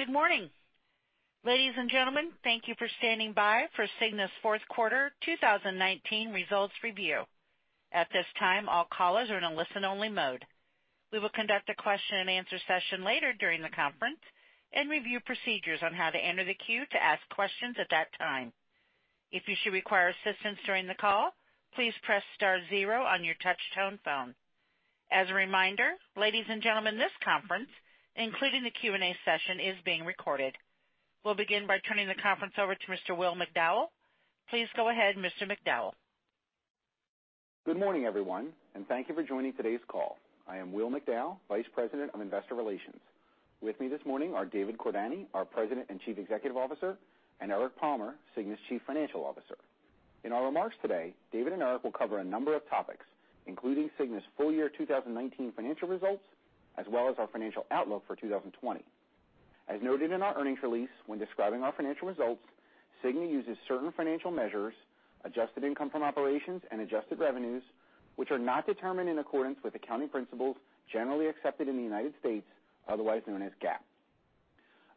Good morning, ladies and gentlemen. Thank you for standing by for Cigna's fourth quarter 2019 results review. At this time, all callers are in a listen-only mode. We will conduct a question-and-answer session later during the conference and review procedures on how to enter the queue to ask questions at that time. If you should require assistance during the call, please press star zero on your touch-tone phone. As a reminder, ladies and gentlemen, this conference, including the Q&A session, is being recorded. We'll begin by turning the conference over to Mr. Will McDowell. Please go ahead, Mr. McDowell. Good morning, everyone, and thank you for joining today's call. I am Will McDowell, Vice President of Investor Relations. With me this morning are David Cordani, our President and Chief Executive Officer, and Eric Palmer, Cigna's Chief Financial Officer. In our remarks today, David and Eric will cover a number of topics, including Cigna's full-year 2019 financial results, as well as our financial outlook for 2020. As noted in our earnings release, when describing our financial results, Cigna uses certain financial measures, adjusted income from operations and adjusted revenues, which are not determined in accordance with accounting principles generally accepted in the United States, otherwise known as GAAP.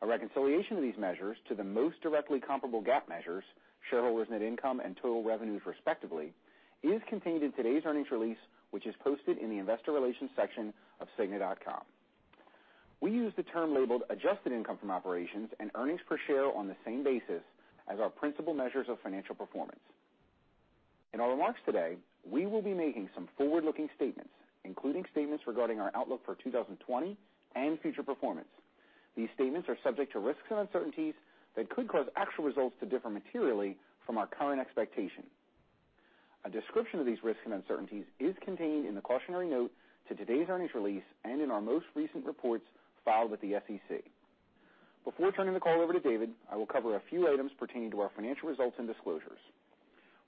A reconciliation of these measures to the most directly comparable GAAP measures, shareholders net income and total revenues respectively, is contained in today's earnings release, which is posted in the investor relations section of cigna.com. We use the term labeled adjusted income from operations and earnings per share on the same basis as our principal measures of financial performance. In our remarks today, we will be making some forward-looking statements, including statements regarding our outlook for 2020 and future performance. These statements are subject to risks and uncertainties that could cause actual results to differ materially from our current expectations. A description of these risks and uncertainties is contained in the cautionary note to today's earnings release and in our most recent reports filed with the SEC. Before turning the call over to David, I will cover a few items pertaining to our financial results and disclosures.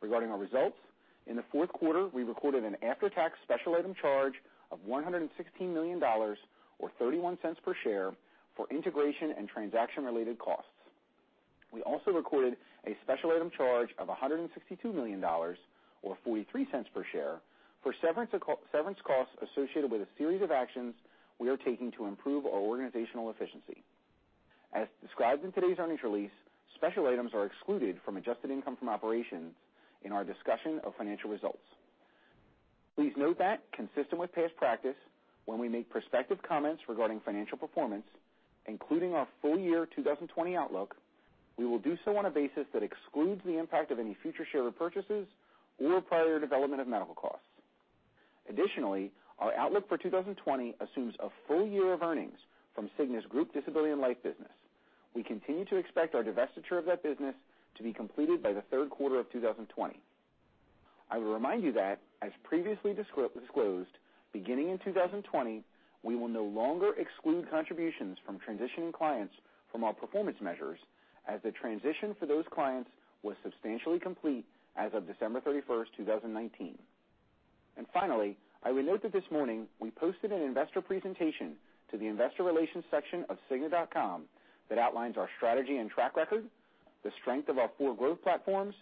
Regarding our results, in the fourth quarter, we recorded an after-tax special item charge of $116 million, or $0.31 per share, for integration and transaction-related costs. We also recorded a special item charge of $162 million, or $0.43 per share, for severance costs associated with a series of actions we are taking to improve our organizational efficiency. As described in today's earnings release, special items are excluded from adjusted income from operations in our discussion of financial results. Please note that consistent with past practice, when we make prospective comments regarding financial performance, including our full-year 2020 outlook, we will do so on a basis that excludes the impact of any future share repurchases or prior development of medical costs. Additionally, our outlook for 2020 assumes a full-year of earnings from Cigna's group disability and life business. We continue to expect our divestiture of that business to be completed by the third quarter of 2020. I will remind you that, as previously disclosed, beginning in 2020, we will no longer exclude contributions from transitioning clients from our performance measures as the transition for those clients was substantially complete as of December 31st, 2019. Finally, I would note that this morning we posted an investor presentation to the investor relations section of cigna.com that outlines our strategy and track record, the strength of our four growth platforms,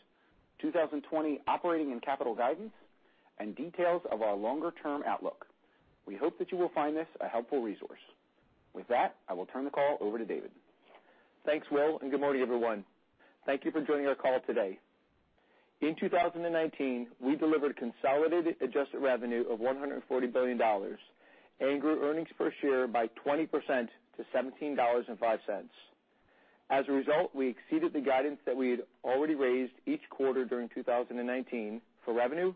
2020 operating and capital guidance, and details of our longer-term outlook. We hope that you will find this a helpful resource. With that, I will turn the call over to David. Thanks, Will, and good morning, everyone. Thank you for joining our call today. In 2019, we delivered consolidated adjusted revenue of $140 billion and grew earnings per share by 20% to $17.05. As a result, we exceeded the guidance that we had already raised each quarter during 2019 for revenue,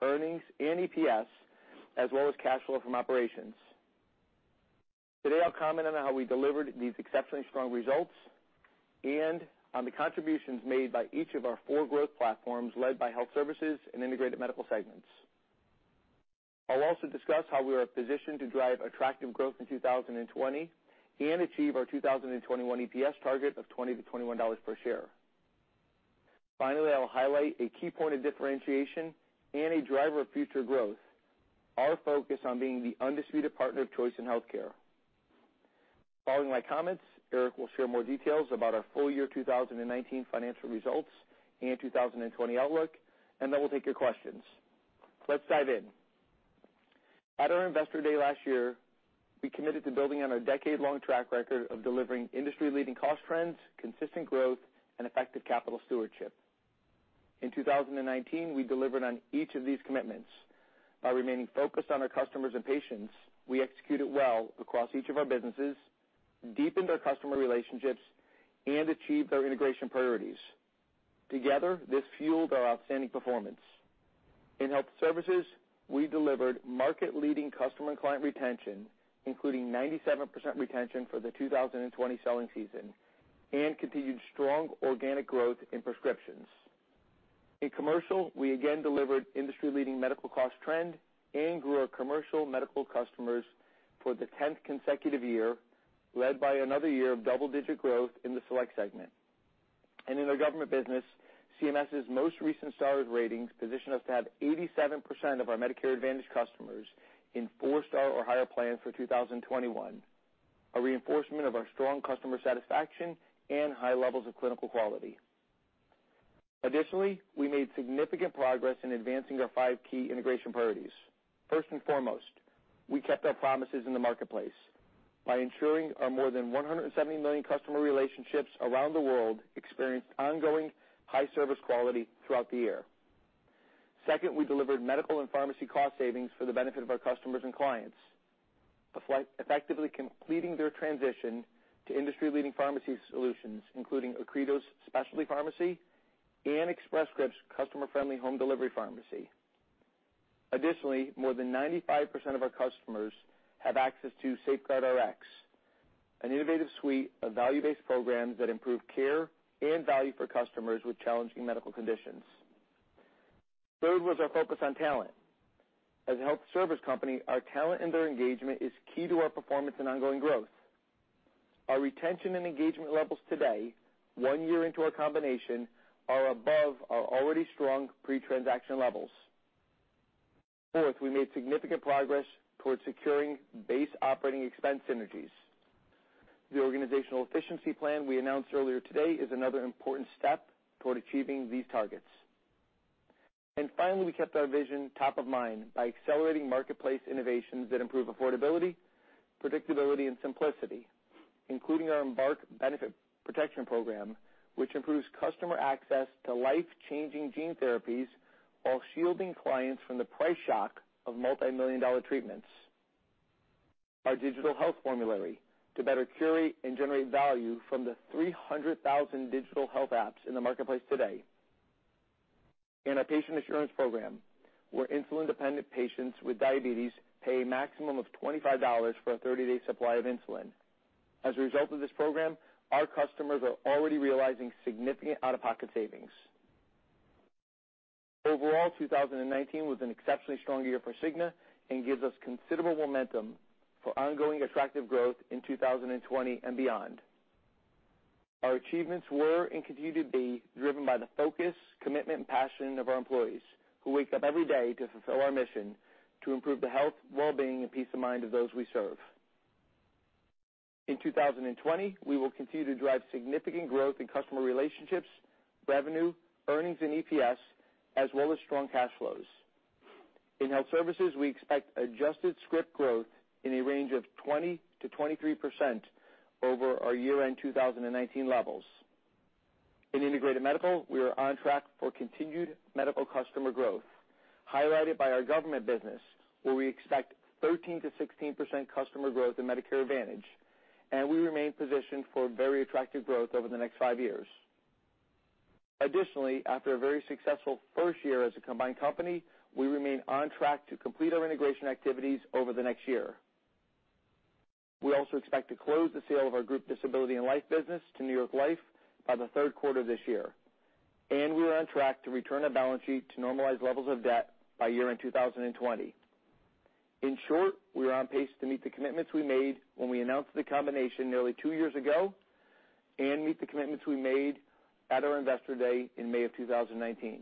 earnings, and EPS, as well as cash flow from operations. Today, I'll comment on how we delivered these exceptionally strong results and on the contributions made by each of our four growth platforms led by Health Services and Integrated Medical segments. I'll also discuss how we are positioned to drive attractive growth in 2020 and achieve our 2021 EPS target of $20-$21 per share. Finally, I'll highlight a key point of differentiation and a driver of future growth, our focus on being the undisputed partner of choice in healthcare. Following my comments, Eric will share more details about our full-year 2019 financial results and 2020 outlook, and then we'll take your questions. Let's dive in. At our investor day last year, we committed to building on our decade-long track record of delivering industry-leading cost trends, consistent growth, and effective capital stewardship. In 2019, we delivered on each of these commitments. By remaining focused on our customers and patients, we executed well across each of our businesses, deepened our customer relationships, and achieved our integration priorities. Together, this fueled our outstanding performance. In Health Services, we delivered market-leading customer and client retention, including 97% retention for the 2020 selling season, and continued strong organic growth in prescriptions. In Commercial, we again delivered industry-leading medical cost trend and grew our commercial medical customers for the 10th consecutive year, led by another year of double-digit growth in the Select segment. In our government business, CMS's most recent Stars ratings position us to have 87% of our Medicare Advantage customers in four-star or higher plans for 2021, a reinforcement of our strong customer satisfaction and high levels of clinical quality. Additionally, we made significant progress in advancing our five key integration priorities. First and foremost, we kept our promises in the marketplace by ensuring our more than 170 million customer relationships around the world experienced ongoing high service quality throughout the year. Second, we delivered medical and pharmacy cost savings for the benefit of our customers and clients, effectively completing their transition to industry-leading pharmacy solutions, including Accredo's Specialty Pharmacy and Express Scripts customer-friendly home delivery pharmacy. Additionally, more than 95% of our customers have access to SafeGuardRx, an innovative suite of value-based programs that improve care and value for customers with challenging medical conditions. Third was our focus on talent. As a health service company, our talent and their engagement is key to our performance and ongoing growth. Our retention and engagement levels today, 1 year into our combination, are above our already strong pre-transaction levels. Fourth, we made significant progress towards securing base operating expense synergies. The organizational efficiency plan we announced earlier today is another important step toward achieving these targets. Finally, we kept our vision top of mind by accelerating marketplace innovations that improve affordability, predictability, and simplicity, including our Embarc Benefit Protection program, which improves customer access to life-changing gene therapies while shielding clients from the price shock of multimillion-dollar treatments. Our Digital Health Formulary to better curate and generate value from the 300,000 digital health apps in the marketplace today. Our Patient Assurance Program, where insulin-dependent patients with diabetes pay a maximum of $25 for a 30-day supply of insulin. As a result of this program, our customers are already realizing significant out-of-pocket savings. Overall, 2019 was an exceptionally strong year for Cigna and gives us considerable momentum for ongoing attractive growth in 2020 and beyond. Our achievements were and continue to be driven by the focus, commitment, and passion of our employees, who wake up every day to fulfill our mission to improve the health, well-being, and peace of mind of those we serve. In 2020, we will continue to drive significant growth in customer relationships, revenue, earnings, and EPS, as well as strong cash flows. In health services, we expect adjusted script growth in a range of 20%-23% over our year-end 2019 levels. In integrated medical, we are on track for continued medical customer growth, highlighted by our government business, where we expect 13%-16% customer growth in Medicare Advantage, and we remain positioned for very attractive growth over the next five years. Additionally, after a very successful first year as a combined company, we remain on track to complete our integration activities over the next year. We also expect to close the sale of our group disability and life business to New York Life by the third quarter this year, and we are on track to return our balance sheet to normalized levels of debt by year-end 2020. In short, we are on pace to meet the commitments we made when we announced the combination nearly two years ago and meet the commitments we made at our investor day in May of 2019.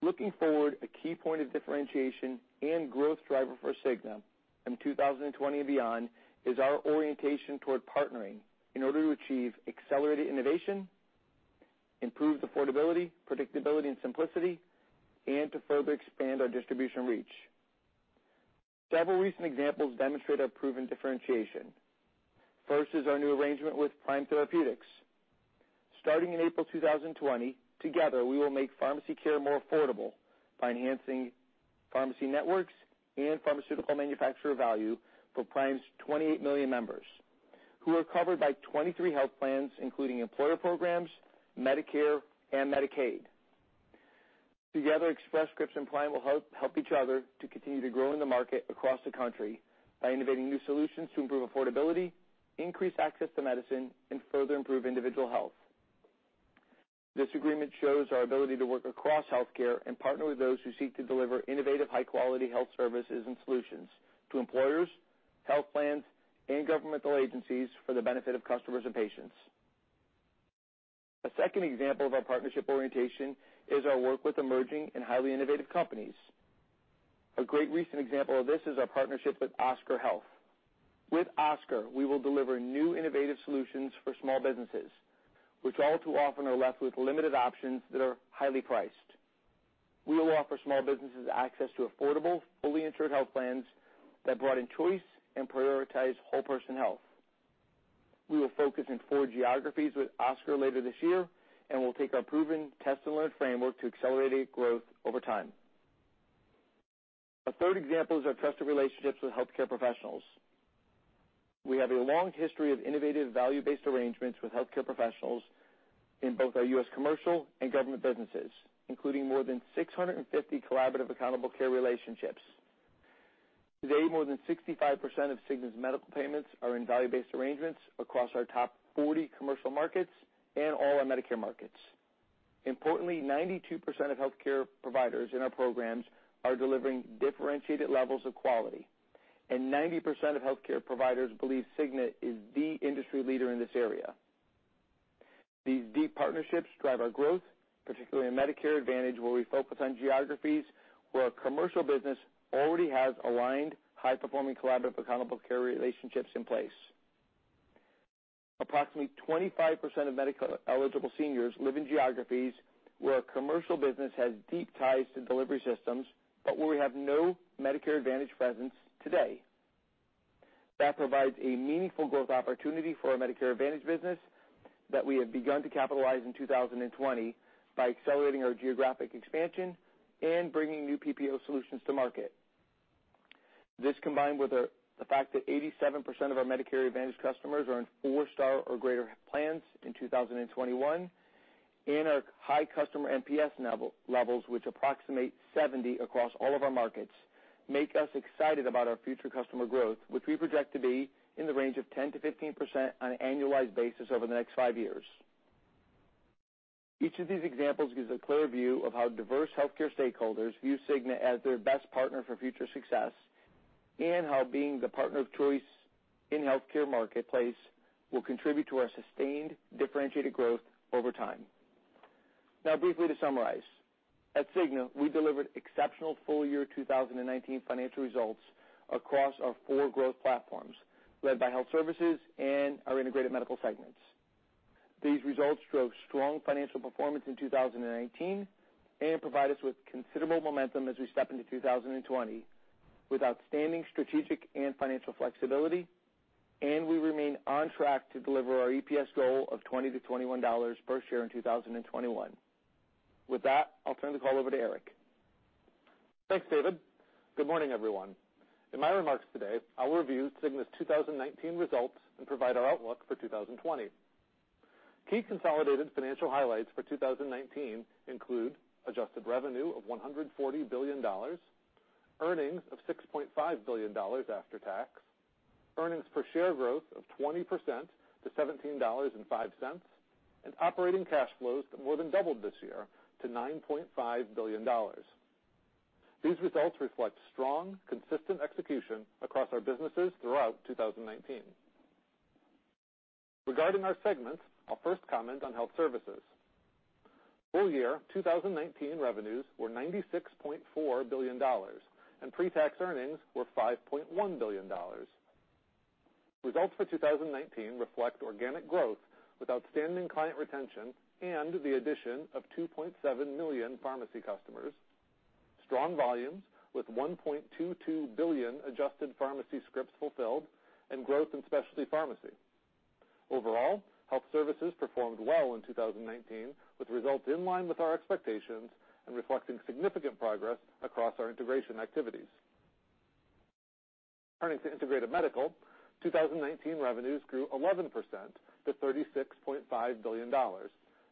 Looking forward, a key point of differentiation and growth driver for Cigna in 2020 and beyond is our orientation toward partnering in order to achieve accelerated innovation, improved affordability, predictability, and simplicity, and to further expand our distribution reach. Several recent examples demonstrate our proven differentiation. First is our new arrangement with Prime Therapeutics. Starting in April 2020, together, we will make pharmacy care more affordable by enhancing pharmacy networks and pharmaceutical manufacturer value for Prime's 28 million members who are covered by 23 health plans, including employer programs, Medicare, and Medicaid. Together, Express Scripts and Prime will help each other to continue to grow in the market across the country by innovating new solutions to improve affordability, increase access to medicine, and further improve individual health. This agreement shows our ability to work across healthcare and partner with those who seek to deliver innovative, high-quality health services and solutions to employers, health plans, and governmental agencies for the benefit of customers and patients. A second example of our partnership orientation is our work with emerging and highly innovative companies. A great recent example of this is our partnership with Oscar Health. With Oscar, we will deliver new innovative solutions for small businesses, which all too often are left with limited options that are highly priced. We will offer small businesses access to affordable, fully insured health plans that broaden choice and prioritize whole person health. We will focus in four geographies with Oscar later this year and will take our proven test and learn framework to accelerated growth over time. A third example is our trusted relationships with healthcare professionals. We have a long history of innovative value-based arrangements with healthcare professionals in both our U.S. commercial and government businesses, including more than 650 collaborative accountable care relationships. Today, more than 65% of Cigna's medical payments are in value-based arrangements across our top 40 commercial markets and all our Medicare markets. Importantly, 92% of healthcare providers in our programs are delivering differentiated levels of quality, and 90% of healthcare providers believe Cigna is the industry leader in this area. These deep partnerships drive our growth, particularly in Medicare Advantage, where we focus on geographies where our commercial business already has aligned high-performing collaborative accountable care relationships in place. Approximately 25% of medical-eligible seniors live in geographies where our commercial business has deep ties to delivery systems, but where we have no Medicare Advantage presence today. That provides a meaningful growth opportunity for our Medicare Advantage business that we have begun to capitalize in 2020 by accelerating our geographic expansion and bringing new PPO solutions to market. This, combined with the fact that 87% of our Medicare Advantage customers are in four-star or greater plans in 2021 and our high customer NPS levels, which approximate 70 across all of our markets, make us excited about our future customer growth, which we project to be in the range of 10%-15% on an annualized basis over the next five years. Each of these examples gives a clear view of how diverse healthcare stakeholders view Cigna as their best partner for future success, how being the partner of choice in the healthcare marketplace will contribute to our sustained, differentiated growth over time. Briefly to summarize. At Cigna, we delivered exceptional full-year 2019 financial results across our four growth platforms, led by Health Services and our Integrated Medical segments. These results drove strong financial performance in 2019 and provide us with considerable momentum as we step into 2020 with outstanding strategic and financial flexibility, and we remain on track to deliver our EPS goal of $20-$21 per share in 2021. With that, I'll turn the call over to Eric. Thanks, David. Good morning, everyone. In my remarks today, I'll review Cigna's 2019 results and provide our outlook for 2020. Key consolidated financial highlights for 2019 include adjusted revenue of $140 billion, earnings of $6.5 billion after tax, earnings per share growth of 20% to $17.05, and operating cash flows that more than doubled this year to $9.5 billion. These results reflect strong, consistent execution across our businesses throughout 2019. Regarding our segments, I'll first comment on Health Services. Full-year 2019 revenues were $96.4 billion, and pre-tax earnings were $5.1 billion. Results for 2019 reflect organic growth with outstanding client retention and the addition of 2.7 million pharmacy customers, strong volumes with 1.22 billion adjusted pharmacy scripts fulfilled, and growth in specialty pharmacy. Overall, Health Services performed well in 2019, with results in line with our expectations and reflecting significant progress across our integration activities. Turning to Integrated Medical, 2019 revenues grew 11% to $36.5 billion,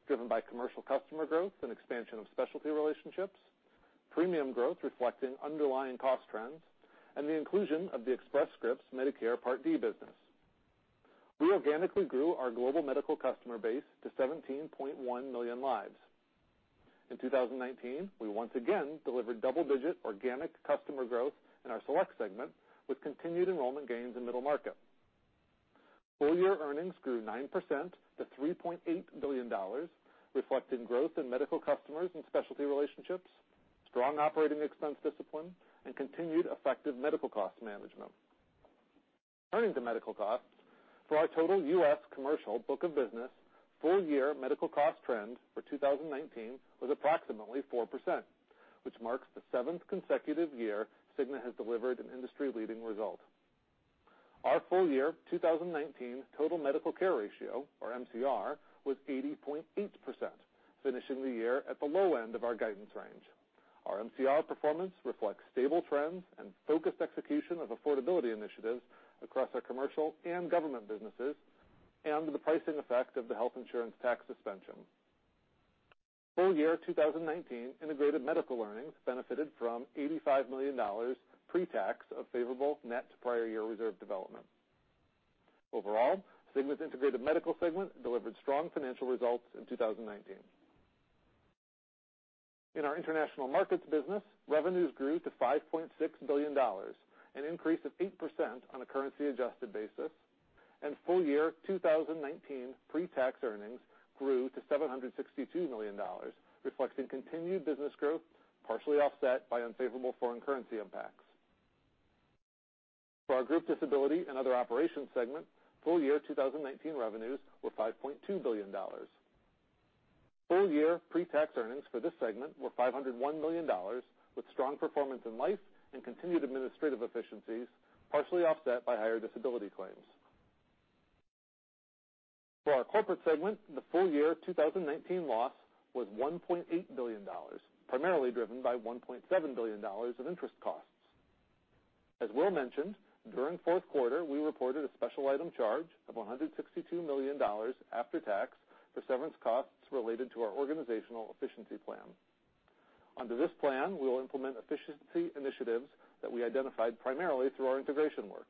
driven by commercial customer growth and expansion of specialty relationships, premium growth reflecting underlying cost trends, and the inclusion of the Express Scripts Medicare Part D business. We organically grew our global medical customer base to 17.1 million lives. In 2019, we once again delivered double-digit organic customer growth in our Select segment, with continued enrollment gains in middle market. Full-year earnings grew 9% to $3.8 billion, reflecting growth in medical customers and specialty relationships, strong operating expense discipline, and continued effective medical cost management. Turning to medical costs, for our total U.S. commercial book of business, full-year medical cost trends for 2019 was approximately 4%, which marks the seventh consecutive year Cigna has delivered an industry-leading result. Our full-year 2019 total medical care ratio, or MCR, was 80.8%, finishing the year at the low end of our guidance range. Our MCR performance reflects stable trends and focused execution of affordability initiatives across our commercial and government businesses and the pricing effect of the health insurance tax suspension. Full-year 2019 Integrated Medical earnings benefited from $85 million pre-tax of favorable net prior year reserve development. Overall, Cigna's Integrated Medical segment delivered strong financial results in 2019. In our International Markets business, revenues grew to $5.6 billion, an increase of 8% on a currency-adjusted basis, and full-year 2019 pre-tax earnings grew to $762 million, reflecting continued business growth, partially offset by unfavorable foreign currency impacts. For our Group Disability and Other Operations segment, full-year 2019 revenues were $5.2 billion. Full-year pre-tax earnings for this segment were $501 million, with strong performance in life and continued administrative efficiencies, partially offset by higher disability claims. For our Corporate segment, the full-year 2019 loss was $1.8 billion, primarily driven by $1.7 billion of interest costs. As Will mentioned, during the fourth quarter, we reported a special item charge of $162 million after tax for severance costs related to our Organizational Efficiency Plan. Under this plan, we will implement efficiency initiatives that we identified primarily through our integration work.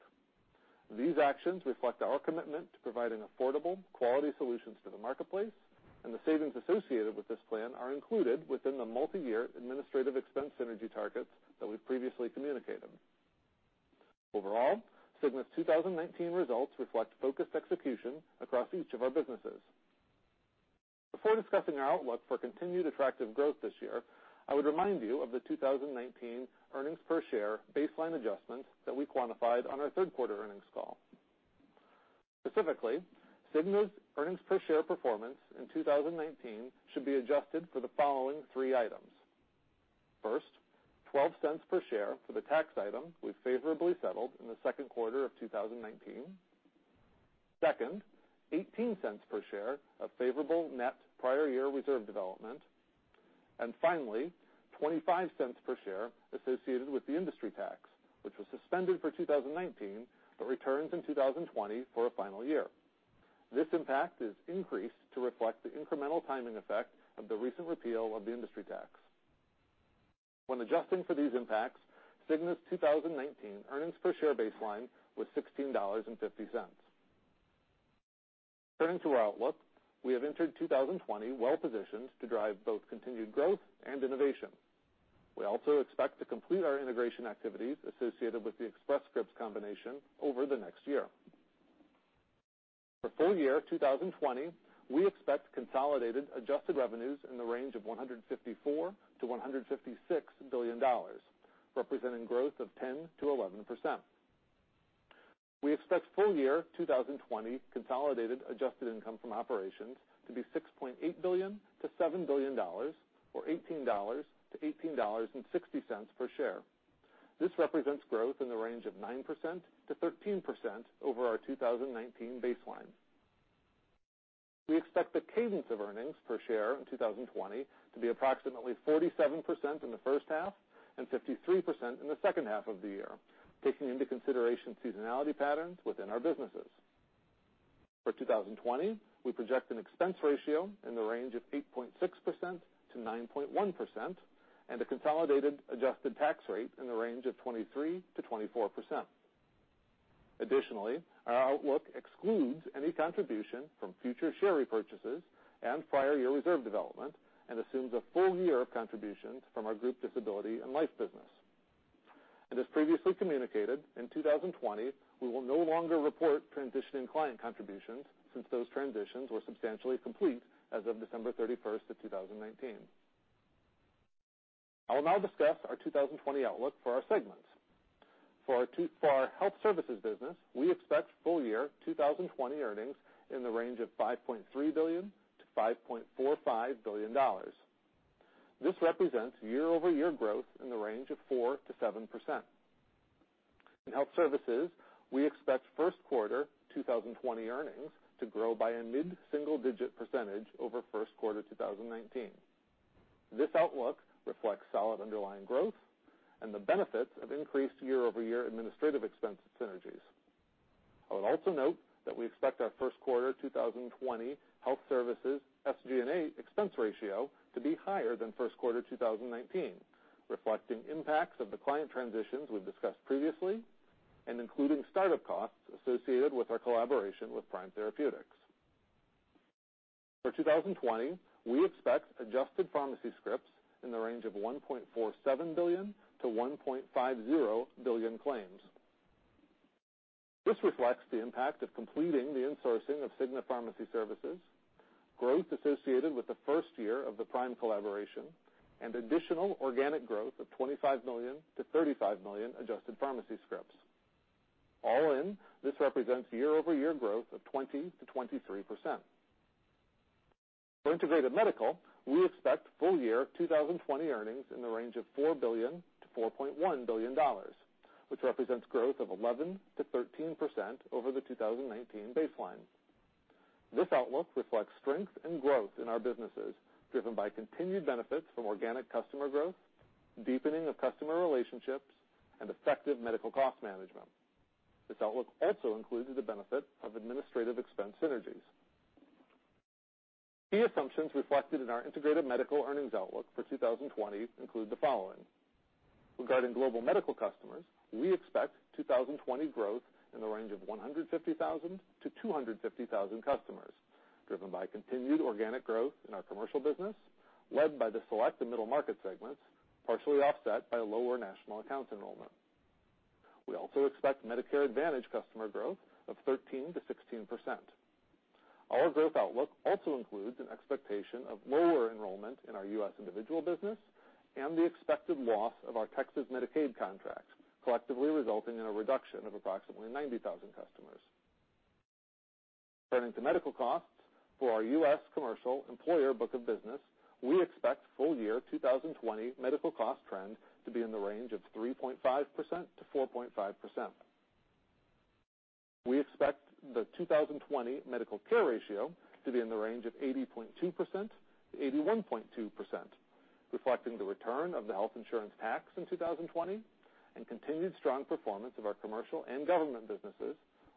These actions reflect our commitment to providing affordable, quality solutions to the marketplace, and the savings associated with this plan are included within the multi-year administrative expense synergy targets that we previously communicated. Overall, Cigna's 2019 results reflect focused execution across each of our businesses. Before discussing our outlook for continued attractive growth this year, I would remind you of the 2019 earnings per share baseline adjustments that we quantified on our third quarter earnings call. Specifically, Cigna's earnings per share performance in 2019 should be adjusted for the following three items. First, $0.12 per share for the tax item we favorably settled in the second quarter of 2019. Second, $0.18 per share of favorable net prior year reserve development. Finally, $0.25 per share associated with the industry tax, which was suspended for 2019, but returns in 2020 for a final year. This impact is increased to reflect the incremental timing effect of the recent repeal of the industry tax. When adjusting for these impacts, Cigna's 2019 earnings per share baseline was $16.50. Turning to our outlook, we have entered 2020 well-positioned to drive both continued growth and innovation. We also expect to complete our integration activities associated with the Express Scripts combination over the next year. For full-year 2020, we expect consolidated adjusted revenues in the range of $154 billion-$156 billion, representing growth of 10%-11%. We expect full-year 2020 consolidated adjusted income from operations to be $6.8 billion-$7 billion, or $18-$18.60 per share. This represents growth in the range of 9%-13% over our 2019 baseline. We expect the cadence of earnings per share in 2020 to be approximately 47% in the first half and 53% in the second half of the year, taking into consideration seasonality patterns within our businesses. Our outlook excludes any contribution from future share repurchases and prior year reserve development and assumes a full-year of contributions from our group disability and life business. As previously communicated, in 2020, we will no longer report transitioning client contributions since those transitions were substantially complete as of December 31st of 2019. I will now discuss our 2020 outlook for our segments. For our Health Services business, we expect full-year 2020 earnings in the range of $5.3 billion-$5.45 billion. This represents year-over-year growth in the range of 4%-7%. In Health Services, we expect first quarter 2020 earnings to grow by a mid-single-digit percentage over first quarter 2019. This outlook reflects solid underlying growth and the benefits of increased year-over-year administrative expense synergies. I would also note that we expect our first quarter 2020 health services SG&A expense ratio to be higher than first quarter 2019, reflecting impacts of the client transitions we've discussed previously and including startup costs associated with our collaboration with Prime Therapeutics. For 2020, we expect adjusted pharmacy scripts in the range of 1.47 billion-1.50 billion claims. This reflects the impact of completing the insourcing of Cigna pharmacy services, growth associated with the first year of the Prime collaboration, and additional organic growth of 25 million-35 million adjusted pharmacy scripts. All in, this represents year-over-year growth of 20%-23%. For Integrated Medical, we expect full-year 2020 earnings in the range of $4 billion-$4.1 billion, which represents growth of 11%-13% over the 2019 baseline. This outlook reflects strength and growth in our businesses, driven by continued benefits from organic customer growth, deepening of customer relationships, and effective medical cost management. This outlook also includes the benefit of administrative expense synergies. Key assumptions reflected in our Integrated Medical earnings outlook for 2020 include the following. Regarding global medical customers, we expect 2020 growth in the range of 150,000-250,000 customers, driven by continued organic growth in our commercial business, led by the select and middle market segments, partially offset by lower national account enrollment. We also expect Medicare Advantage customer growth of 13%-16%. Our growth outlook also includes an expectation of lower enrollment in our U.S. individual business and the expected loss of our Texas Medicaid contracts, collectively resulting in a reduction of approximately 90,000 customers. Turning to medical costs, for our U.S. commercial employer book of business, we expect full-year 2020 medical cost trend to be in the range of 3.5%-4.5%. We expect the 2020 medical care ratio to be in the range of 80.2%-81.2%, reflecting the return of the health insurance tax in 2020 and continued strong performance of our commercial and government businesses,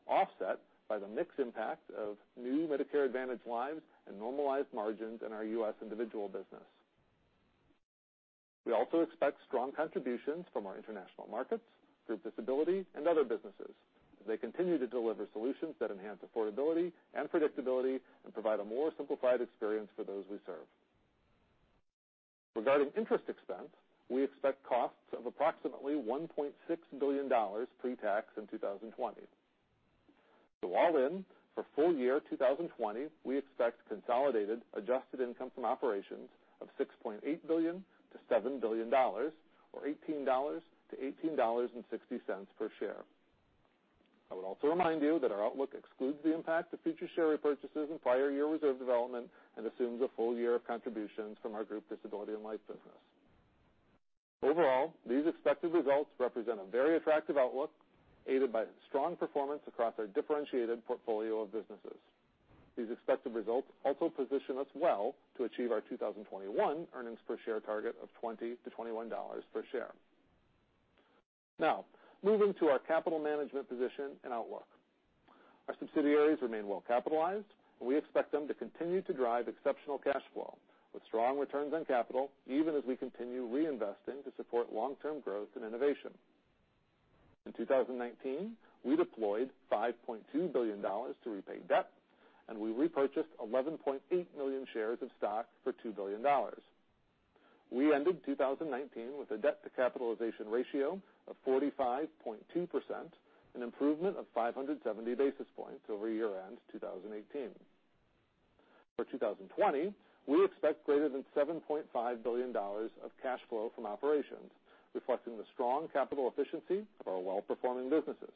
offset by the mixed impact of new Medicare Advantage lives and normalized margins in our U.S. individual business. We also expect strong contributions from our international markets, group disability, and other businesses as they continue to deliver solutions that enhance affordability and predictability and provide a more simplified experience for those we serve. Regarding interest expense, we expect costs of approximately $1.6 billion pre-tax in 2020. All in, for full-year 2020, we expect consolidated adjusted income from operations of $6.8 billion-$7 billion, or $18-$18.60 per share. I would also remind you that our outlook excludes the impact of future share repurchases and prior year reserve development and assumes a full-year of contributions from our group disability and life business. These expected results represent a very attractive outlook, aided by strong performance across our differentiated portfolio of businesses. These expected results also position us well to achieve our 2021 earnings per share target of $20-$21 per share. Moving to our capital management position and outlook. Our subsidiaries remain well capitalized, and we expect them to continue to drive exceptional cash flow with strong returns on capital, even as we continue reinvesting to support long-term growth and innovation. In 2019, we deployed $5.2 billion to repay debt, and we repurchased 11.8 million shares of stock for $2 billion. We ended 2019 with a debt-to-capitalization ratio of 45.2%, an improvement of 570 basis points over year-end 2018. For 2020, we expect greater than $7.5 billion of cash flow from operations, reflecting the strong capital efficiency of our well-performing businesses.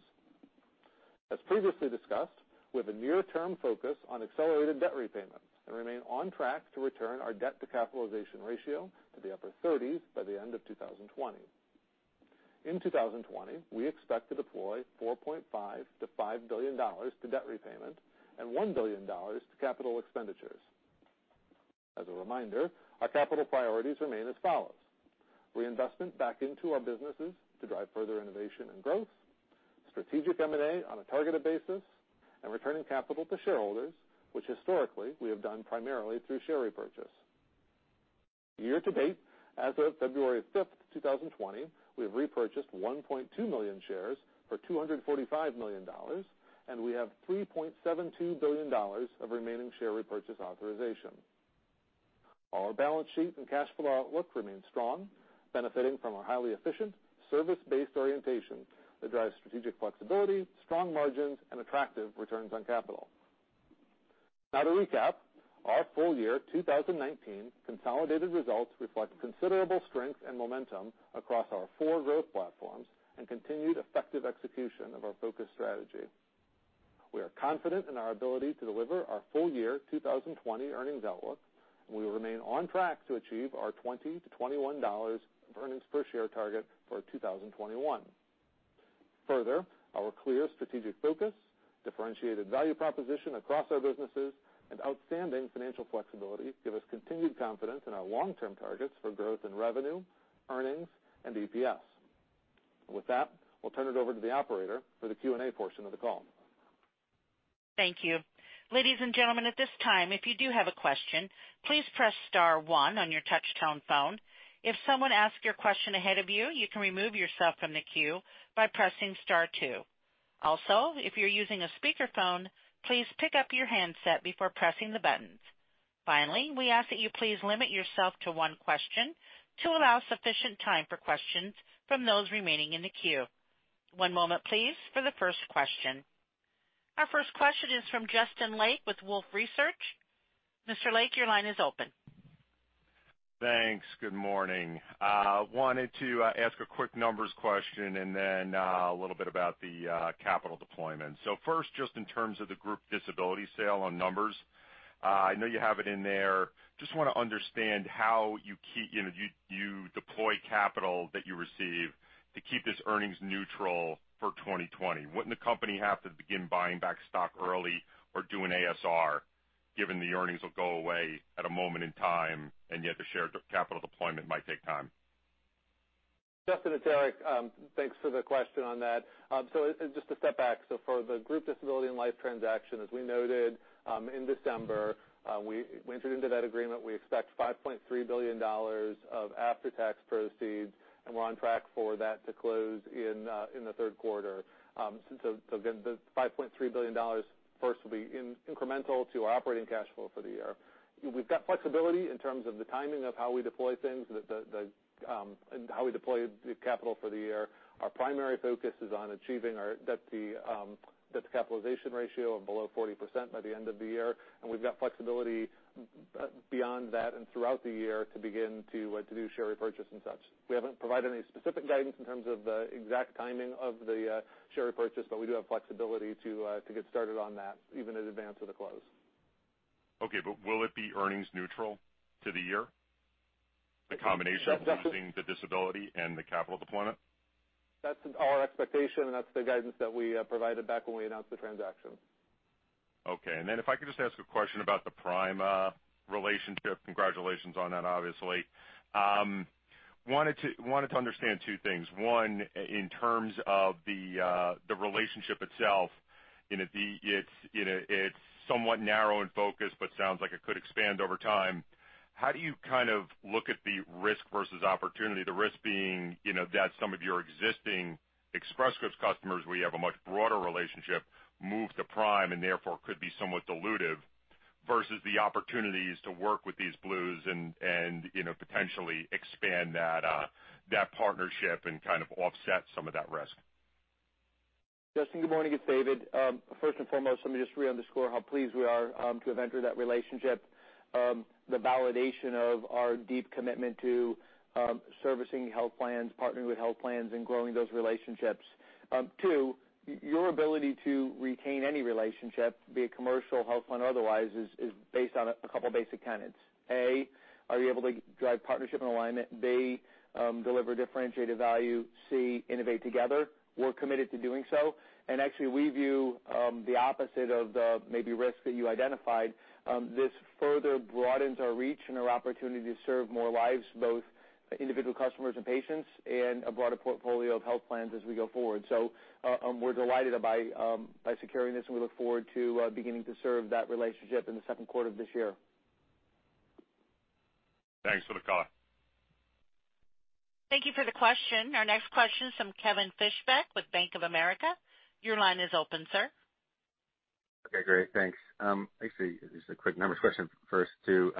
As previously discussed, we have a near-term focus on accelerated debt repayments and remain on track to return our debt-to-capitalization ratio to the upper 30s by the end of 2020. In 2020, we expect to deploy $4.5 billion-$5 billion to debt repayment and $1 billion to capital expenditures. As a reminder, our capital priorities remain as follows. Reinvestment back into our businesses to drive further innovation and growth, strategic M&A on a targeted basis, and returning capital to shareholders, which historically we have done primarily through share repurchase. Year-to-date, as of February 5th, 2020, we have repurchased 1.2 million shares for $245 million. We have $3.72 billion of remaining share repurchase authorization. Our balance sheet and cash flow outlook remain strong, benefiting from our highly efficient service-based orientation that drives strategic flexibility, strong margins, and attractive returns on capital. To recap, our full-year 2019 consolidated results reflect considerable strength and momentum across our four growth platforms and continued effective execution of our focus strategy. We are confident in our ability to deliver our full-year 2020 earnings outlook. We will remain on track to achieve our $20-$21 of earnings per share target for 2021. Our clear strategic focus, differentiated value proposition across our businesses, and outstanding financial flexibility give us continued confidence in our long-term targets for growth in revenue, earnings, and EPS. With that, we'll turn it over to the operator for the Q&A portion of the call. Thank you. Ladies and gentlemen, at this time, if you do have a question, please press star one on your touch-tone phone. If someone asks your question ahead of you can remove yourself from the queue by pressing star two. Also, if you're using a speakerphone, please pick up your handset before pressing the buttons. Finally, we ask that you please limit yourself to one question to allow sufficient time for questions from those remaining in the queue. One moment, please, for the first question. Our first question is from Justin Lake with Wolfe Research. Mr. Lake, your line is open. Thanks. Good morning. Wanted to ask a quick numbers question and then a little bit about the capital deployment. First, just in terms of the group disability sale on numbers, I know you have it in there. Just want to understand how you deploy capital that you receive to keep this earnings neutral for 2020. Wouldn't the company have to begin buying back stock early or do an ASR, given the earnings will go away at a moment in time and yet the shared capital deployment might take time? Justin, it's Eric. Thanks for the question on that. Just to step back, for the group disability and life transaction, as we noted in December, we entered into that agreement. We expect $5.3 billion of after-tax proceeds, we're on track for that to close in the third quarter. Again, the $5.3 billion first will be incremental to our operating cash flow for the year. We've got flexibility in terms of the timing of how we deploy things and how we deploy the capital for the year. Our primary focus is on achieving our debt to capitalization ratio of below 40% by the end of the year. We've got flexibility beyond that and throughout the year to begin to do share repurchase and such. We haven't provided any specific guidance in terms of the exact timing of the share repurchase, but we do have flexibility to get started on that, even in advance of the close. Okay, will it be earnings neutral to the year? The combination of losing the disability and the capital deployment? That's our expectation, and that's the guidance that we provided back when we announced the transaction. Okay, if I could just ask a question about the Prime relationship. Congratulations on that, obviously. Wanted to understand two things. One, in terms of the relationship itself, it's somewhat narrow in focus but sounds like it could expand over time. How do you look at the risk versus opportunity? The risk being that some of your existing Express Scripts customers where you have a much broader relationship, move to Prime, and therefore could be somewhat dilutive versus the opportunities to work with these Blues and potentially expand that partnership and kind of offset some of that risk. Justin, good morning. It's David. First and foremost, let me just re-underscore how pleased we are to have entered that relationship, the validation of our deep commitment to servicing health plans, partnering with health plans, and growing those relationships. Two, your ability to retain any relationship, be it commercial, health plan, or otherwise, is based on a couple of basic tenets. A, are you able to drive partnership and alignment? B, deliver differentiated value. C, innovate together. We're committed to doing so, and actually we view the opposite of the maybe risk that you identified. This further broadens our reach and our opportunity to serve more lives, both individual customers and patients, and a broader portfolio of health plans as we go forward. We're delighted by securing this, and we look forward to beginning to serve that relationship in the second quarter of this year. Thanks for the call. Thank you for the question. Our next question is from Kevin Fischbeck with Bank of America. Your line is open, sir. Okay, great. Thanks. Actually, just a quick numbers question first, too.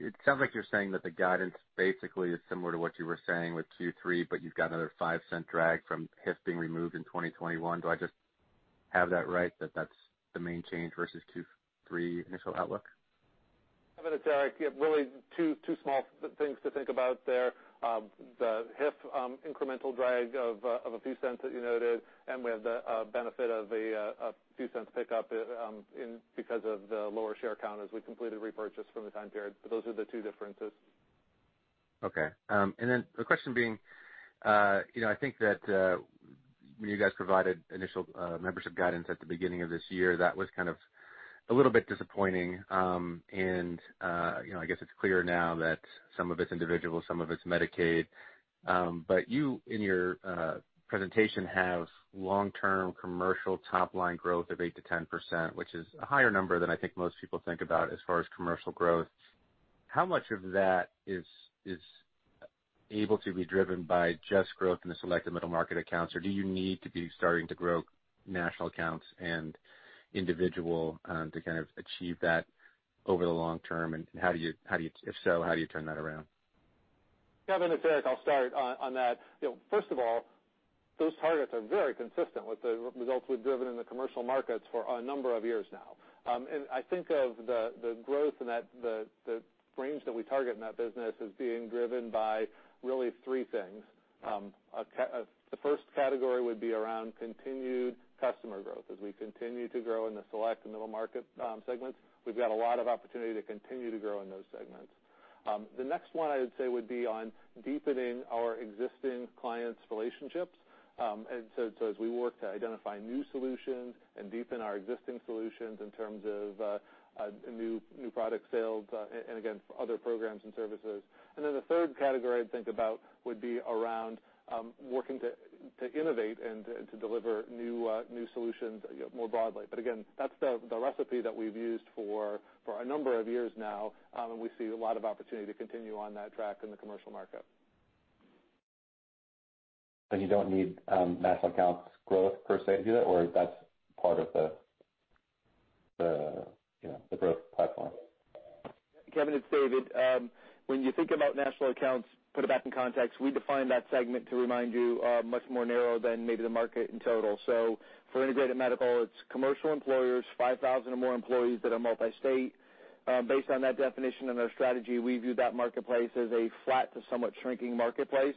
It sounds like you're saying that the guidance basically is similar to what you were saying with Q3, but you've got another $0.05 drag from HIF being removed in 2021. Do I just have that right, that that's the main change versus Q3 initial outlook? Kevin, it's Eric. Really two small things to think about there. The HIF incremental drag of a few cents that you noted, and we have the benefit of a few cents pickup because of the lower share count as we completed repurchase from the time period. Those are the two differences. Okay. The question being, I think that when you guys provided initial membership guidance at the beginning of this year, that was kind of a little bit disappointing. I guess it's clear now that some of it's individual, some of it's Medicaid. You, in your presentation, have long-term commercial top-line growth of 8%-10%, which is a higher number than I think most people think about as far as commercial growth. How much of that is able to be driven by just growth in the select and middle market accounts, or do you need to be starting to grow national accounts and individual to kind of achieve that over the long term? If so, how do you turn that around? Kevin, it's Eric. I'll start on that. First of all, those targets are very consistent with the results we've driven in the commercial markets for a number of years now. I think of the growth and the range that we target in that business as being driven by really three things. The first category would be around continued customer growth. As we continue to grow in the select and middle market segments, we've got a lot of opportunity to continue to grow in those segments. The next one I would say would be on deepening our existing clients' relationships. As we work to identify new solutions and deepen our existing solutions in terms of new product sales and again, other programs and services. The third category I'd think about would be around working to innovate and to deliver new solutions more broadly. Again, that's the recipe that we've used for a number of years now. We see a lot of opportunity to continue on that track in the commercial market. You don't need national accounts growth per se to do that, or that's part of the growth platform? Kevin, it's David. When you think about national accounts, put it back in context, we define that segment to remind you, much more narrow than maybe the market in total. For integrated medical, it's commercial employers, 5,000 or more employees that are multi-state. Based on that definition and our strategy, we view that marketplace as a flat to somewhat shrinking marketplace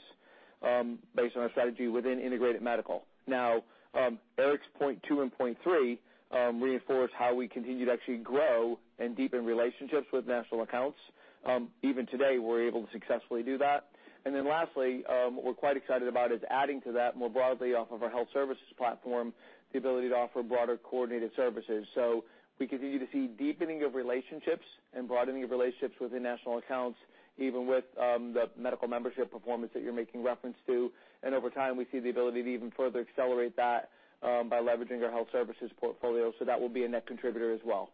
based on our strategy within integrated medical. Eric's point two and point three reinforce how we continue to actually grow and deepen relationships with national accounts. Even today, we're able to successfully do that. Lastly, what we're quite excited about is adding to that more broadly off of our health services platform, the ability to offer broader coordinated services. We continue to see deepening of relationships and broadening of relationships within national accounts, even with the medical membership performance that you're making reference to. Over time, we see the ability to even further accelerate that by leveraging our health services portfolio. That will be a net contributor as well.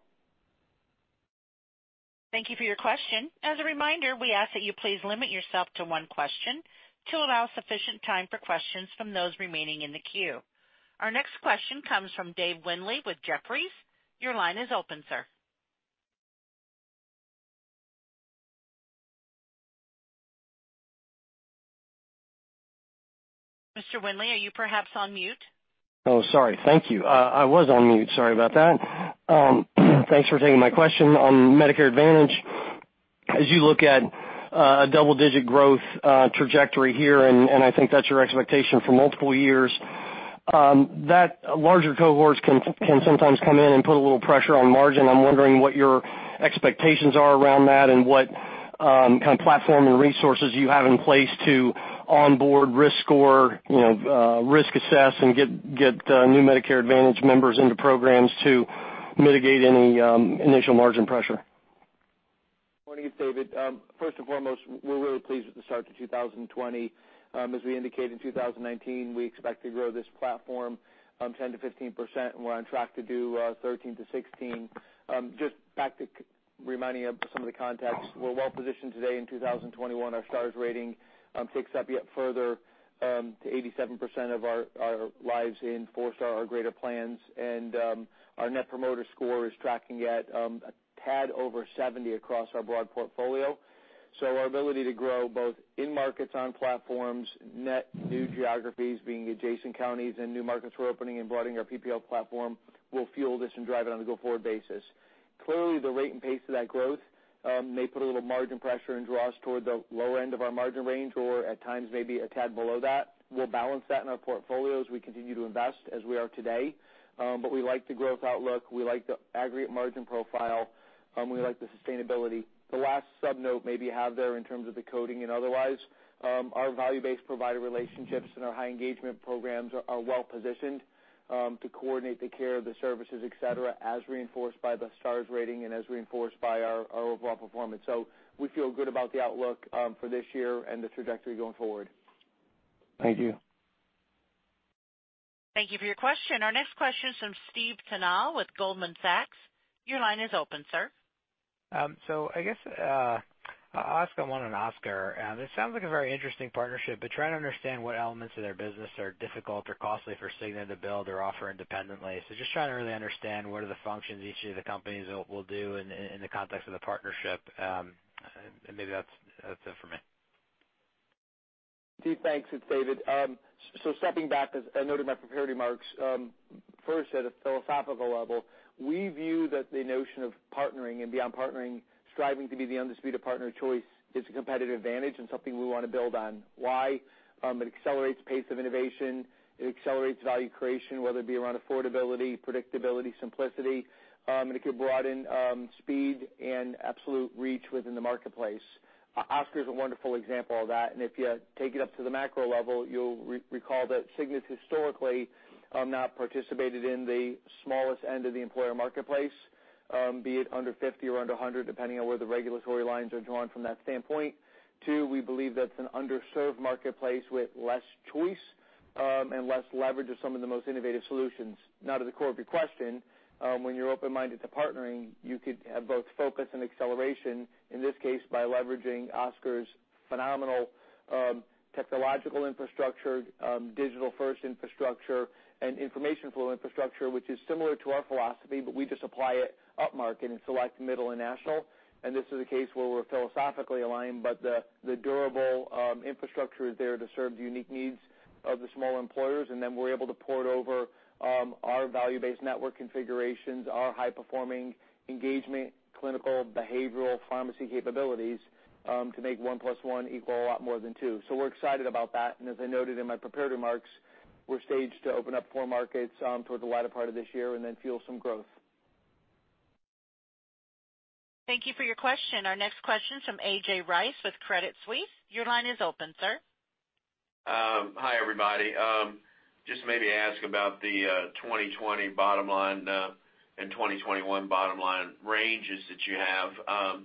Thank you for your question. As a reminder, we ask that you please limit yourself to one question to allow sufficient time for questions from those remaining in the queue. Our next question comes from Dave Windley with Jefferies. Your line is open, sir. Mr. Windley, are you perhaps on mute? Sorry. Thank you. I was on mute. Sorry about that. Thanks for taking my question. On Medicare Advantage, as you look at a double-digit growth trajectory here, and I think that's your expectation for multiple years, that larger cohorts can sometimes come in and put a little pressure on margin. I'm wondering what your expectations are around that and what kind of platform and resources you have in place to onboard risk score, risk assess, and get new Medicare Advantage members into programs to mitigate any initial margin pressure. Morning, it's David. First and foremost, we're really pleased with the start to 2020. As we indicated in 2019, we expect to grow this platform 10%-15%. We're on track to do 13%-16%. Reminding of some of the context. We're well-positioned today in 2021. Our Stars rating ticks up yet further to 87% of our lives in four-star or greater plans. Our Net Promoter Score is tracking at a tad over 70 across our broad portfolio. Our ability to grow both in markets on platforms, net new geographies, being adjacent counties and new markets we're opening and broadening our PPO platform, will fuel this and drive it on a go-forward basis. Clearly, the rate and pace of that growth may put a little margin pressure and draw us toward the low end of our margin range or at times maybe a tad below that. We'll balance that in our portfolio as we continue to invest, as we are today. We like the growth outlook, we like the aggregate margin profile, we like the sustainability. The last sub-note maybe you have there in terms of the coding and otherwise, our value-based provider relationships and our high engagement programs are well-positioned to coordinate the care of the services, et cetera, as reinforced by the Stars rating and as reinforced by our overall performance. We feel good about the outlook for this year and the trajectory going forward. Thank you. Thank you for your question. Our next question is from Steve Tanal with Goldman Sachs. Your line is open, sir. I guess, I'll ask on one on Oscar. This sounds like a very interesting partnership, but trying to understand what elements of their business are difficult or costly for Cigna to build or offer independently. Just trying to really understand what are the functions each of the companies will do in the context of the partnership. Maybe that's it for me. Steve, thanks. It's David. Stepping back, as I noted in my prepared remarks, First, at a philosophical level, we view that the notion of partnering and beyond partnering, striving to be the undisputed partner of choice, is a competitive advantage and something we want to build on. Why? It accelerates pace of innovation, it accelerates value creation, whether it be around affordability, predictability, simplicity, and it could broaden speed and absolute reach within the marketplace. Oscar is a wonderful example of that, and if you take it up to the macro level, you'll recall that Cigna's historically not participated in the smallest end of the employer marketplace, be it under 50 or under 100, depending on where the regulatory lines are drawn from that standpoint. Two, we believe that's an underserved marketplace with less choice, and less leverage of some of the most innovative solutions. Now to the core of your question, when you're open-minded to partnering, you could have both focus and acceleration, in this case, by leveraging Oscar's phenomenal technological infrastructure, digital first infrastructure, and information flow infrastructure, which is similar to our philosophy, but we just apply it up market in select middle and national. This is a case where we're philosophically aligned, but the durable infrastructure is there to serve the unique needs of the small employers, and then we're able to port over our value-based network configurations, our high-performing engagement, clinical, behavioral, pharmacy capabilities, to make one plus one equal a lot more than two. We're excited about that, and as I noted in my prepared remarks, we're staged to open up four markets toward the latter part of this year and then fuel some growth. Thank you for your question. Our next question is from A.J. Rice with Credit Suisse. Your line is open, sir. Hi, everybody. Just maybe ask about the 2020 bottom line and 2021 bottom line ranges that you have.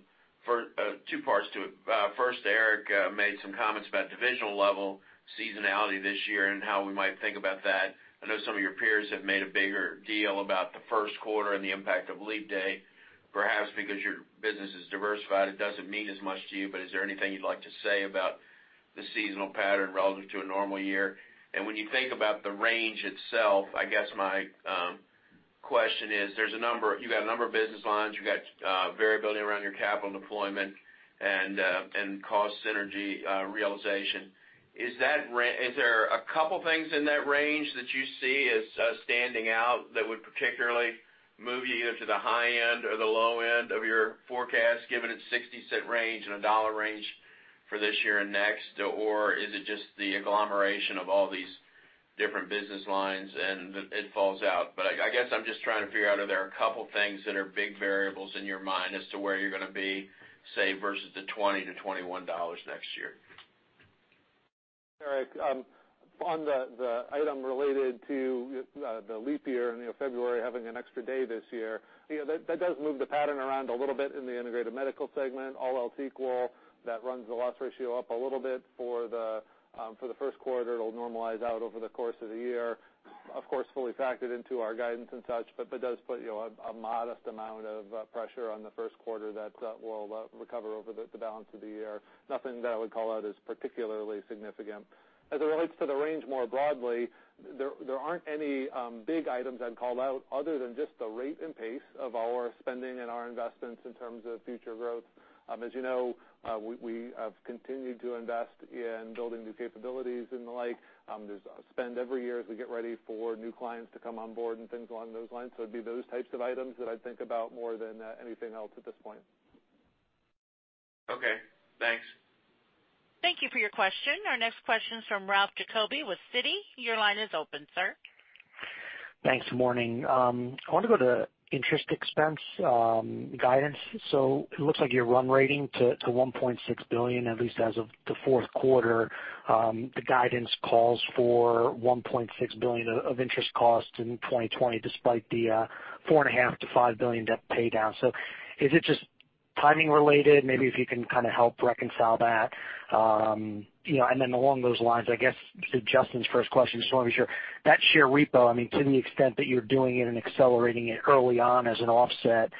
Two parts to it. First, Eric made some comments about divisional level seasonality this year and how we might think about that. I know some of your peers have made a bigger deal about the first quarter and the impact of Leap Day. Perhaps because your business is diversified, it doesn't mean as much to you, but is there anything you'd like to say about the seasonal pattern relative to a normal year? When you think about the range itself, I guess my question is, you've got a number of business lines, you've got variability around your capital deployment and cost synergy realization. Is there a couple things in that range that you see as standing out that would particularly move you either to the high end or the low end of your forecast, given its $0.60 range and a $1 range for this year and next? Is it just the agglomeration of all these different business lines and it falls out? I guess I'm just trying to figure out, are there a couple things that are big variables in your mind as to where you're going to be, say, versus the $20-$21 next year? Eric, on the item related to the leap year and February having an extra day this year, that does move the pattern around a little bit in the integrated medical segment. All else equal, that runs the loss ratio up a little bit for the first quarter. It'll normalize out over the course of the year. Of course, fully factored into our guidance and such, but that does put a modest amount of pressure on the first quarter that we'll recover over the balance of the year. Nothing that I would call out as particularly significant. As it relates to the range more broadly, there aren't any big items I'd call out other than just the rate and pace of our spending and our investments in terms of future growth. As you know, we have continued to invest in building new capabilities and the like. There's spend every year as we get ready for new clients to come on board and things along those lines. It'd be those types of items that I'd think about more than anything else at this point. Okay. Thanks. Thank you for your question. Our next question is from Ralph Giacobbe with Citi. Your line is open, sir. Thanks. Morning. I want to go to interest expense guidance. It looks like you're run rating to $1.6 billion, at least as of the fourth quarter. The guidance calls for $1.6 billion of interest costs in 2020 despite the $4.5 billion-$5 billion debt pay down. Is it just timing related? Maybe if you can kind of help reconcile that. Along those lines, I guess to Justin's first question, just want to make sure, that share repo, to the extent that you're doing it and accelerating it early on as an offset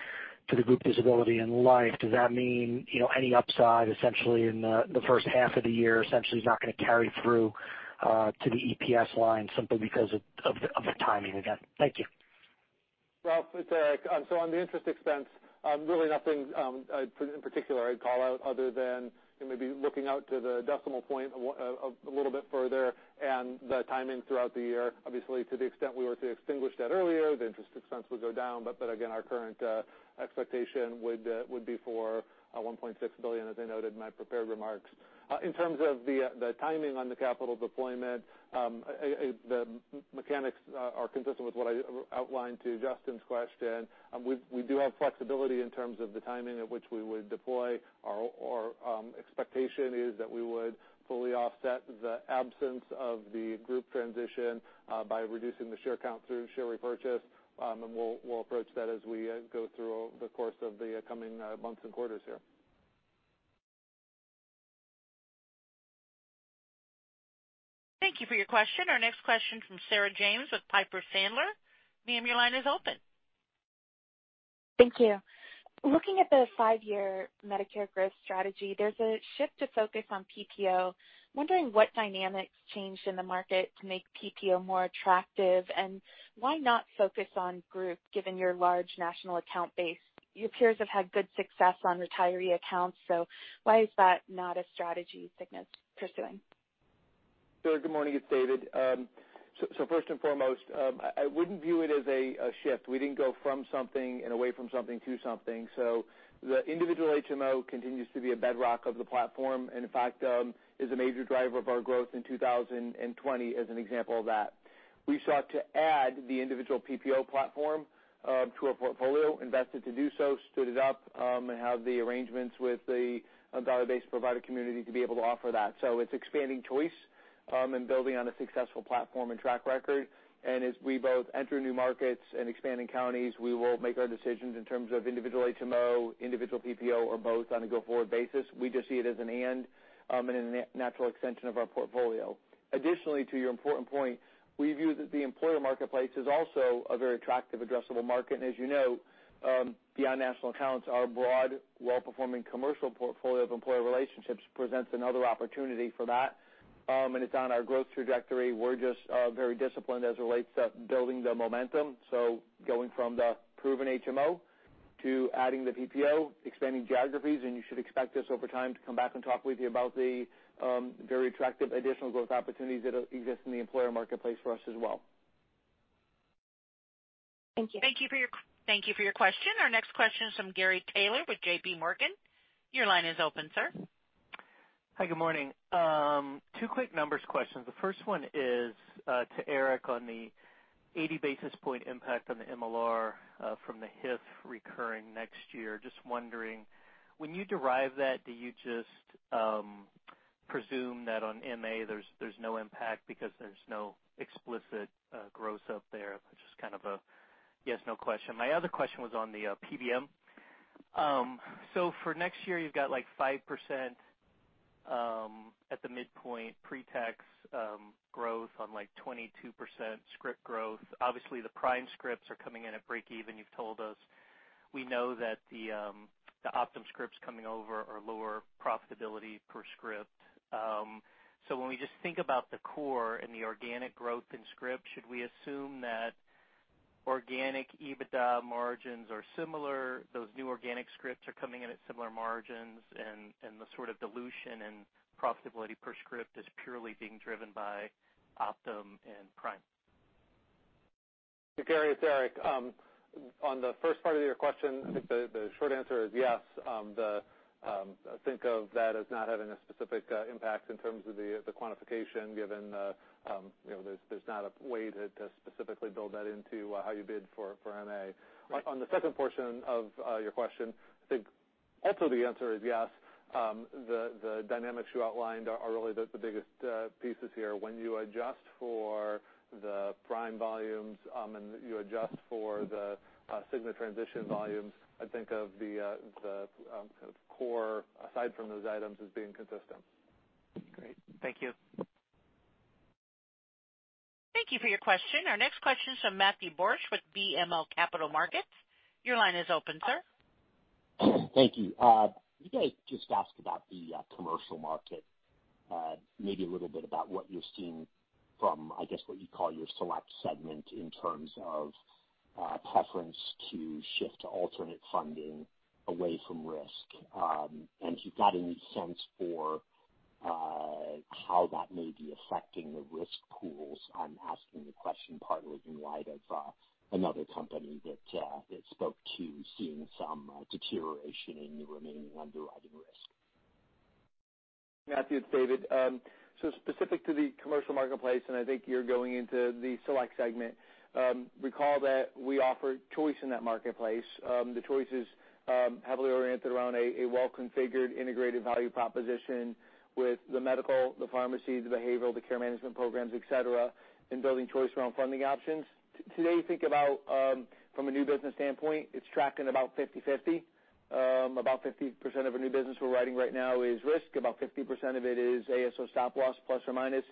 to the group disability and life, does that mean any upside essentially in the first half of the year is not going to carry through to the EPS line simply because of the timing of that? Thank you. On the interest expense, really nothing in particular I'd call out other than maybe looking out to the decimal point a little bit further and the timing throughout the year. Obviously, to the extent we were to extinguish that earlier, the interest expense would go down. Our current expectation would be for $1.6 billion, as I noted in my prepared remarks. In terms of the timing on the capital deployment, the mechanics are consistent with what I outlined to Justin's question. We do have flexibility in terms of the timing at which we would deploy. Our expectation is that we would fully offset the absence of the group transition by reducing the share count through share repurchase, and we'll approach that as we go through the course of the coming months and quarters here. Thank you for your question. Our next question from Sarah James with Piper Sandler. Ma'am, your line is open. Thank you. Looking at the five-year Medicare growth strategy, there's a shift to focus on PPO. Wondering what dynamics changed in the market to make PPO more attractive, and why not focus on group, given your large national account base? Your peers have had good success on retiree accounts, so why is that not a strategy Cigna's pursuing? Sarah, good morning. It's David. First and foremost, I wouldn't view it as a shift. We didn't go from something and away from something to something. The individual HMO continues to be a bedrock of the platform, and in fact, is a major driver of our growth in 2020 as an example of that. We sought to add the individual PPO platform to our portfolio, invested to do so, stood it up, and have the arrangements with the value-based provider community to be able to offer that. It's expanding choice and building on a successful platform and track record. As we both enter new markets and expand in counties, we will make our decisions in terms of individual HMO, individual PPO, or both on a go-forward basis. We just see it as an and a natural extension of our portfolio. Additionally, to your important point, we view that the employer marketplace is also a very attractive addressable market. As you know, beyond national accounts, our broad, well-performing commercial portfolio of employer relationships presents another opportunity for that. It's on our growth trajectory. We're just very disciplined as it relates to building the momentum. Going from the proven HMO to adding the PPO, expanding geographies, and you should expect us over time to come back and talk with you about the very attractive additional growth opportunities that exist in the employer marketplace for us as well. Thank you. Thank you for your question. Our next question is from Gary Taylor with JPMorgan. Your line is open, sir. Hi, good morning. Two quick numbers questions. The first one is to Eric on the 80 basis point impact on the MLR from the HIF recurring next year. Just wondering, when you derive that, do you just presume that on MA there's no impact because there's no explicit gross up there? Which is kind of a yes, no question. My other question was on the PBM. For next year, you've got 5% at the midpoint pre-tax growth on 22% script growth. Obviously, the Prime scripts are coming in at breakeven, you've told us. We know that the Optum scripts coming over are lower profitability per script. When we just think about the core and the organic growth in scripts, should we assume that organic EBITDA margins are similar, those new organic scripts are coming in at similar margins, and the sort of dilution and profitability per script is purely being driven by Optum and Prime? Gary, it's Eric. On the first part of your question, I think the short answer is yes. Think of that as not having a specific impact in terms of the quantification, given there's not a way to specifically build that into how you bid for MA. On the second portion of your question, I think also the answer is yes. The dynamics you outlined are really the biggest pieces here. When you adjust for the Prime volumes and you adjust for the Cigna transition volumes, I think of the core aside from those items as being consistent. Great. Thank you. Thank you for your question. Our next question is from Matthew Borsch with BMO Capital Markets. Your line is open, sir. Thank you. Can you guys just ask about the commercial market, maybe a little bit about what you're seeing from, I guess, what you call your select segment in terms of preference to shift to alternate funding away from risk? If you've got any sense for how that may be affecting the risk pools. I'm asking the question partly in light of another company that spoke to seeing some deterioration in the remaining underwriting risk. Matt, it's David. Specific to the commercial marketplace, I think you're going into the select segment. Recall that we offer choice in that marketplace. The choice is heavily oriented around a well-configured integrated value proposition with the medical, the pharmacy, the behavioral, the care management programs, et cetera, and building choice around funding options. Today, think about from a new business standpoint, it's tracking about 50/50. About 50% of our new business we're writing right now is risk. About 50% of it is ASO stop loss, ±.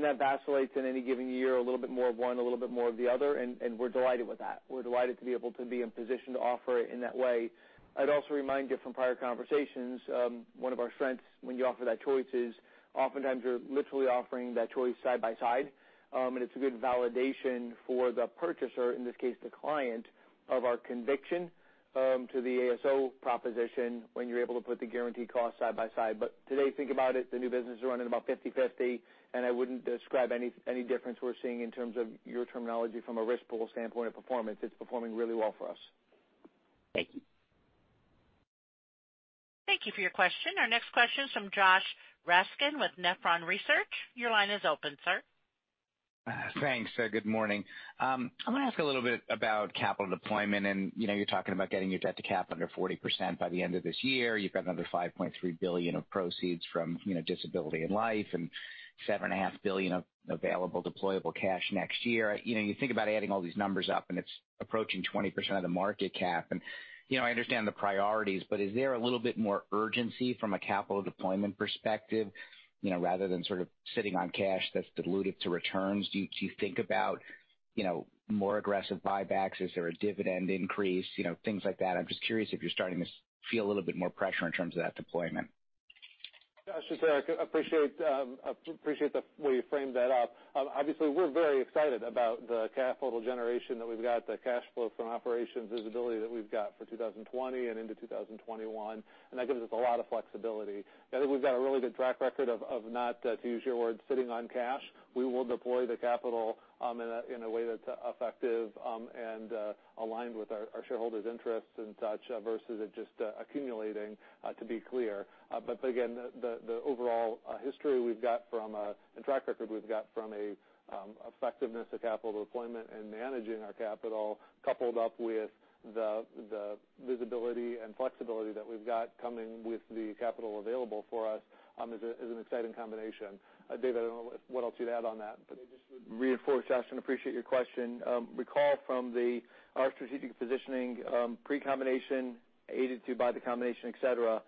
That vacillates in any given year, a little bit more of one, a little bit more of the other, and we're delighted with that. We're delighted to be able to be in position to offer it in that way. I'd also remind you from prior conversations, one of our strengths when you offer that choice is oftentimes you're literally offering that choice side by side. It's a good validation for the purchaser, in this case, the client, of our conviction to the ASO proposition when you're able to put the guaranteed cost side by side. Today, think about it, the new business is running about 50/50, and I wouldn't describe any difference we're seeing in terms of your terminology from a risk pool standpoint of performance. It's performing really well for us. Thank you. Thank you for your question. Our next question is from Josh Raskin with Nephron Research. Your line is open, sir. Thanks. Good morning. I'm going to ask a little bit about capital deployment, and you're talking about getting your debt to cap under 40% by the end of this year. You've got another $5.3 billion of proceeds from disability in life and $7.5 billion of available deployable cash next year. You think about adding all these numbers up, and it's approaching 20% of the market cap. I understand the priorities, but is there a little bit more urgency from a capital deployment perspective, rather than sort of sitting on cash that's dilutive to returns? Do you think about more aggressive buybacks? Is there a dividend increase? Things like that. I'm just curious if you're starting to feel a little bit more pressure in terms of that deployment. Josh, it's Eric. I appreciate the way you framed that up. Obviously, we're very excited about the capital generation that we've got, the cash flow from operations visibility that we've got for 2020 and into 2021, and that gives us a lot of flexibility. I think we've got a really good track record of not, to use your words, sitting on cash. We will deploy the capital in a way that's effective and aligned with our shareholders' interests and such, versus it just accumulating, to be clear. Again, the overall history we've got from a track record we've got from a effectiveness of capital deployment and managing our capital coupled up with the visibility and flexibility that we've got coming with the capital available for us is an exciting combination. David, I don't know what else you'd add on that, but- Just would reinforce, Josh, appreciate your question. Recall from our strategic positioning pre-combination, aided too by the combination, et cetera,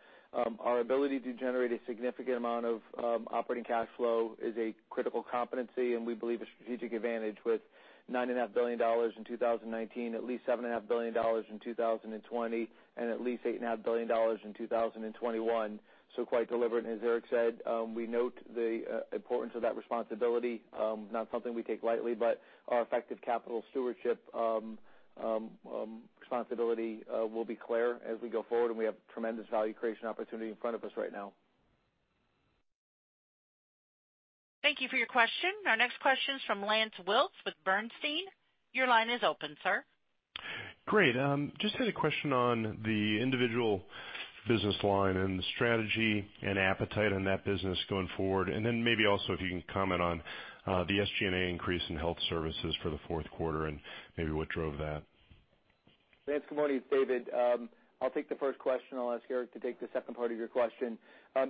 our ability to generate a significant amount of operating cash flow is a critical competency, and we believe a strategic advantage with $9.5 billion in 2019, at least $7.5 billion in 2020, and at least $8.5 billion in 2021. Quite deliberate, as Eric said, we note the importance of that responsibility. Not something we take lightly, our effective capital stewardship responsibility will be clear as we go forward, and we have tremendous value creation opportunity in front of us right now. Thank you for your question. Our next question is from Lance Wilkes with Bernstein. Your line is open, sir. Great. Just had a question on the individual business line and the strategy and appetite in that business going forward. Maybe also if you can comment on the SG&A increase in Health Services for the fourth quarter and maybe what drove that. Lance, good morning. It's David. I'll take the first question. I'll ask Eric to take the second part of your question.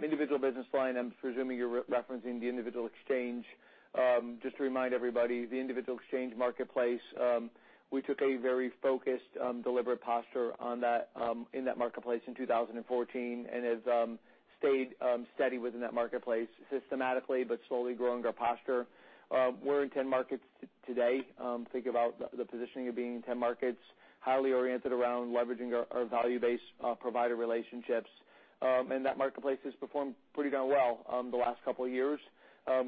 Individual business line, I'm presuming you're referencing the individual exchange. Just to remind everybody, the individual exchange marketplace, we took a very focused, deliberate posture in that marketplace in 2014 and have stayed steady within that marketplace systematically, but slowly growing our posture. We're in 10 markets today. Think about the positioning of being in 10 markets, highly oriented around leveraging our value-based provider relationships. That marketplace has performed pretty darn well the last couple of years.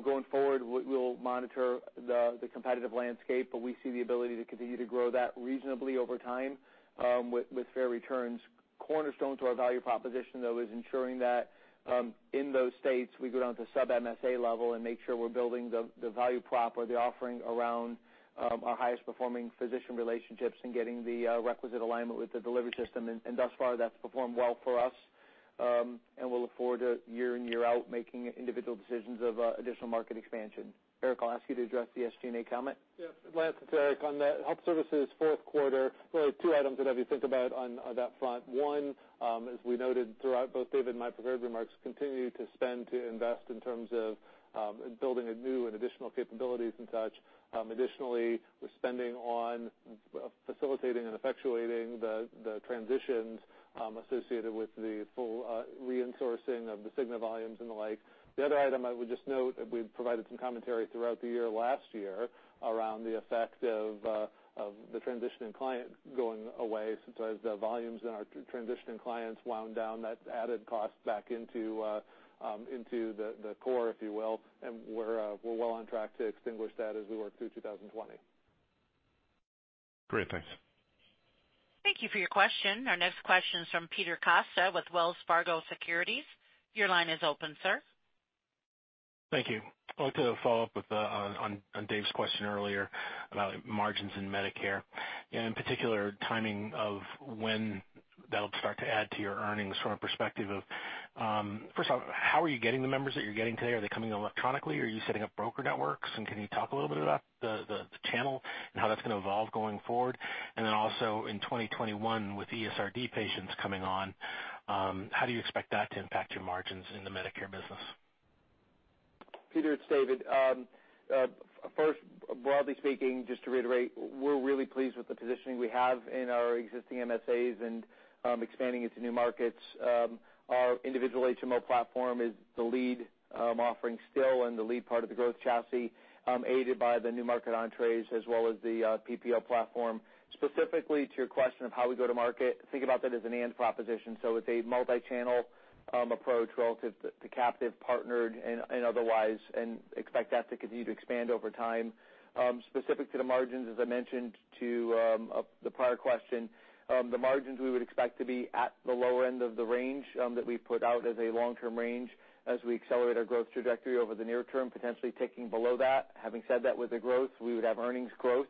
Going forward, we'll monitor the competitive landscape, we see the ability to continue to grow that reasonably over time with fair returns. Cornerstone to our value proposition, though, is ensuring that in those states, we go down to sub-MSA level and make sure we're building the value prop or the offering around our highest performing physician relationships and getting the requisite alignment with the delivery system. Thus far, that's performed well for us. We'll afford year in, year out making individual decisions of additional market expansion. Eric, I'll ask you to address the SG&A comment. Yeah. Lance, it's Eric. On the health services fourth quarter, really two items I'd have you think about on that front. One, as we noted throughout both David and my prepared remarks, continue to spend to invest in terms of building new and additional capabilities and such. Additionally, we're spending on facilitating and effectuating the transitions associated with the full reinsourcing of the Cigna volumes and the like. The other item I would just note, we've provided some commentary throughout the year last year around the effect of the transitioning client going away. As the volumes in our transitioning clients wound down, that added cost back into the core, if you will, and we're well on track to extinguish that as we work through 2020. Great. Thanks. Thank you for your question. Our next question is from Peter Costa with Wells Fargo Securities. Your line is open, sir. Thank you. I'd like to follow up on Dave's question earlier about margins in Medicare, and in particular, timing of when that'll start to add to your earnings from a perspective of, first off, how are you getting the members that you're getting today? Are they coming electronically? Are you setting up broker networks, and can you talk a little bit about the channel and how that's going to evolve going forward? Also in 2021 with the ESRD patients coming on, how do you expect that to impact your margins in the Medicare business? Peter, it's David. First, broadly speaking, just to reiterate, we're really pleased with the positioning we have in our existing MSAs and expanding into new markets. Our individual HMO platform is the lead offering still and the lead part of the growth chassis, aided by the new market entries as well as the PPO platform. Specifically to your question of how we go to market, think about that as an and proposition. It's a multi-channel approach relative to captive, partnered, and otherwise, and expect that to continue to expand over time. Specific to the margins, as I mentioned to the prior question, the margins we would expect to be at the lower end of the range that we put out as a long-term range as we accelerate our growth trajectory over the near term, potentially ticking below that. Having said that, with the growth, we would have earnings growth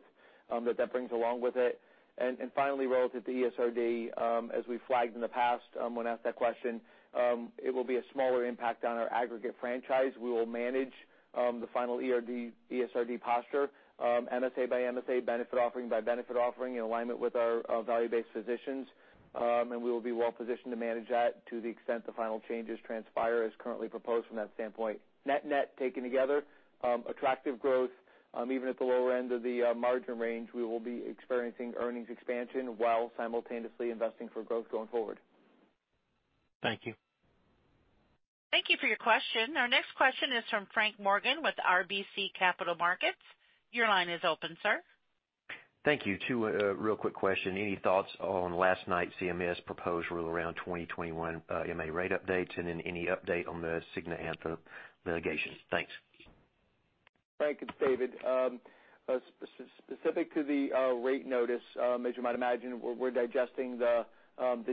that brings along with it. Finally, relative to ESRD, as we flagged in the past when asked that question, it will be a smaller impact on our aggregate franchise. We will manage the final ESRD posture MSA by MSA, benefit offering by benefit offering, in alignment with our value-based positions. We will be well positioned to manage that to the extent the final changes transpire as currently proposed from that standpoint. Net-net, taken together, attractive growth, even at the lower end of the margin range, we will be experiencing earnings expansion while simultaneously investing for growth going forward. Thank you. Thank you for your question. Our next question is from Frank Morgan with RBC Capital Markets. Your line is open, sir. Thank you. Two real quick questions. Any thoughts on last night's CMS proposed rule around 2021 MA rate updates, and then any update on the Cigna Anthem litigation? Thanks. Frank, it's David. Specific to the rate notice, as you might imagine, we're digesting the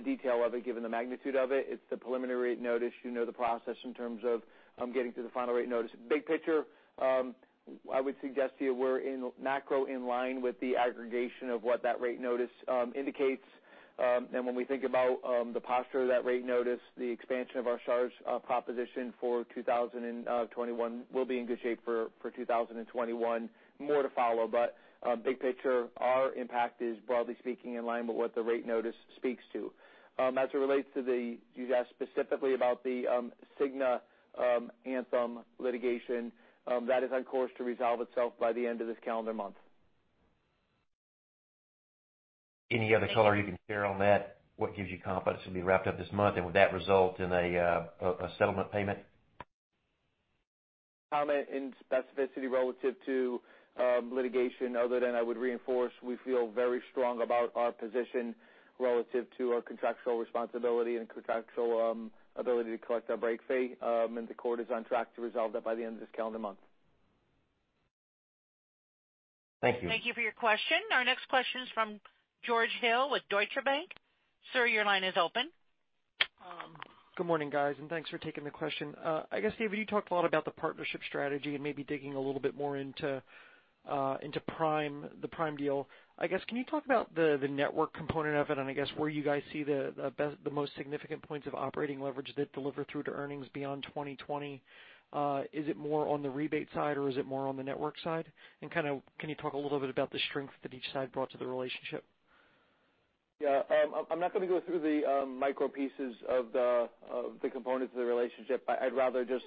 detail of it, given the magnitude of it. It's the preliminary rate notice. You know the process in terms of getting to the final rate notice. Big picture, I would suggest to you we're macro in line with the aggregation of what that rate notice indicates. When we think about the posture of that rate notice, the expansion of our Stars proposition for 2021, we'll be in good shape for 2021. More to follow, but big picture, our impact is, broadly speaking, in line with what the rate notice speaks to. You asked specifically about the Cigna Anthem litigation. That is on course to resolve itself by the end of this calendar month. Any other color you can share on that? What gives you confidence it'll be wrapped up this month? Would that result in a settlement payment? Comment in specificity relative to litigation other than I would reinforce we feel very strong about our position relative to our contractual responsibility and contractual ability to collect our break fee. The court is on track to resolve that by the end of this calendar month. Thank you. Thank you for your question. Our next question is from George Hill with Deutsche Bank. Sir, your line is open. Good morning, guys, and thanks for taking the question. I guess, David, you talked a lot about the partnership strategy and maybe digging a little bit more into the Prime deal. I guess, can you talk about the network component of it and I guess where you guys see the most significant points of operating leverage that deliver through to earnings beyond 2020? Is it more on the rebate side or is it more on the network side? Can you talk a little bit about the strength that each side brought to the relationship? Yeah. I'm not going to go through the micro pieces of the components of the relationship. I'd rather just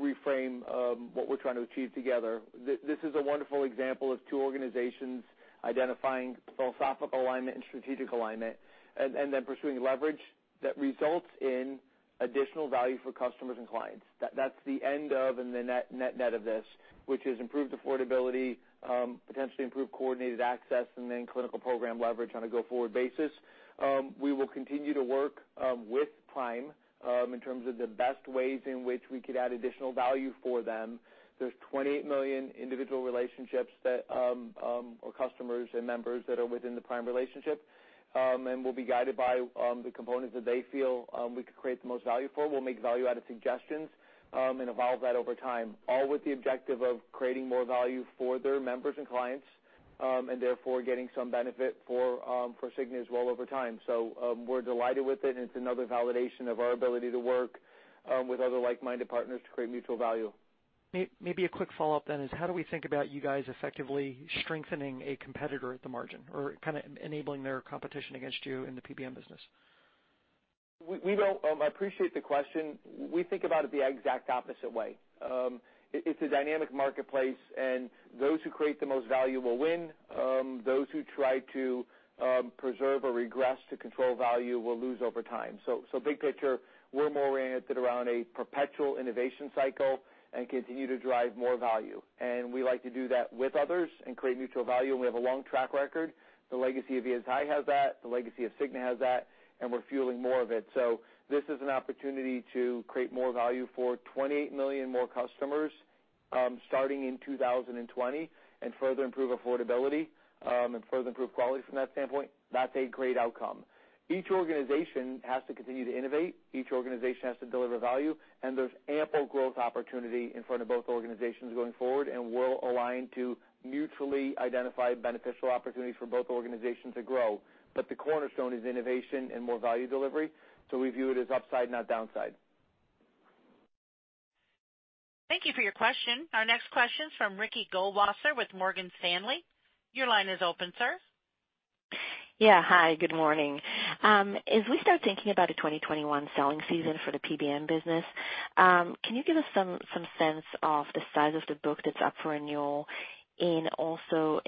reframe what we're trying to achieve together. This is a wonderful example of two organizations identifying philosophical alignment and strategic alignment, and then pursuing leverage that results in additional value for customers and clients. That's the end of and the net-net of this, which is improved affordability, potentially improved coordinated access, and then clinical program leverage on a go-forward basis. We will continue to work with Prime in terms of the best ways in which we could add additional value for them. There's 28 million individual relationships or customers and members that are within the Prime relationship, and we'll be guided by the components that they feel we could create the most value for. We'll make value-added suggestions and evolve that over time, all with the objective of creating more value for their members and clients, and therefore getting some benefit for Cigna as well over time. We're delighted with it, and it's another validation of our ability to work with other like-minded partners to create mutual value. Maybe a quick follow-up then is how do we think about you guys effectively strengthening a competitor at the margin or kind of enabling their competition against you in the PBM business? I appreciate the question. We think about it the exact opposite way. It's a dynamic marketplace, and those who create the most value will win. Those who try to preserve or regress to control value will lose over time. Big picture, we're more oriented around a perpetual innovation cycle and continue to drive more value. We like to do that with others and create mutual value, and we have a long track record. The legacy of Aetna has that, the legacy of Cigna has that, and we're fueling more of it. This is an opportunity to create more value for 28 million more customers starting in 2020 and further improve affordability and further improve quality from that standpoint. That's a great outcome. Each organization has to continue to innovate, each organization has to deliver value, and there's ample growth opportunity in front of both organizations going forward, and we'll align to mutually identify beneficial opportunities for both organizations to grow. The cornerstone is innovation and more value delivery. We view it as upside, not downside. Thank you for your question. Our next question is from Ricky Goldwasser with Morgan Stanley. Your line is open, sir. Yeah. Hi, good morning. As we start thinking about the 2021 selling season for the PBM business, can you give us some sense of the size of the book that's up for renewal, and also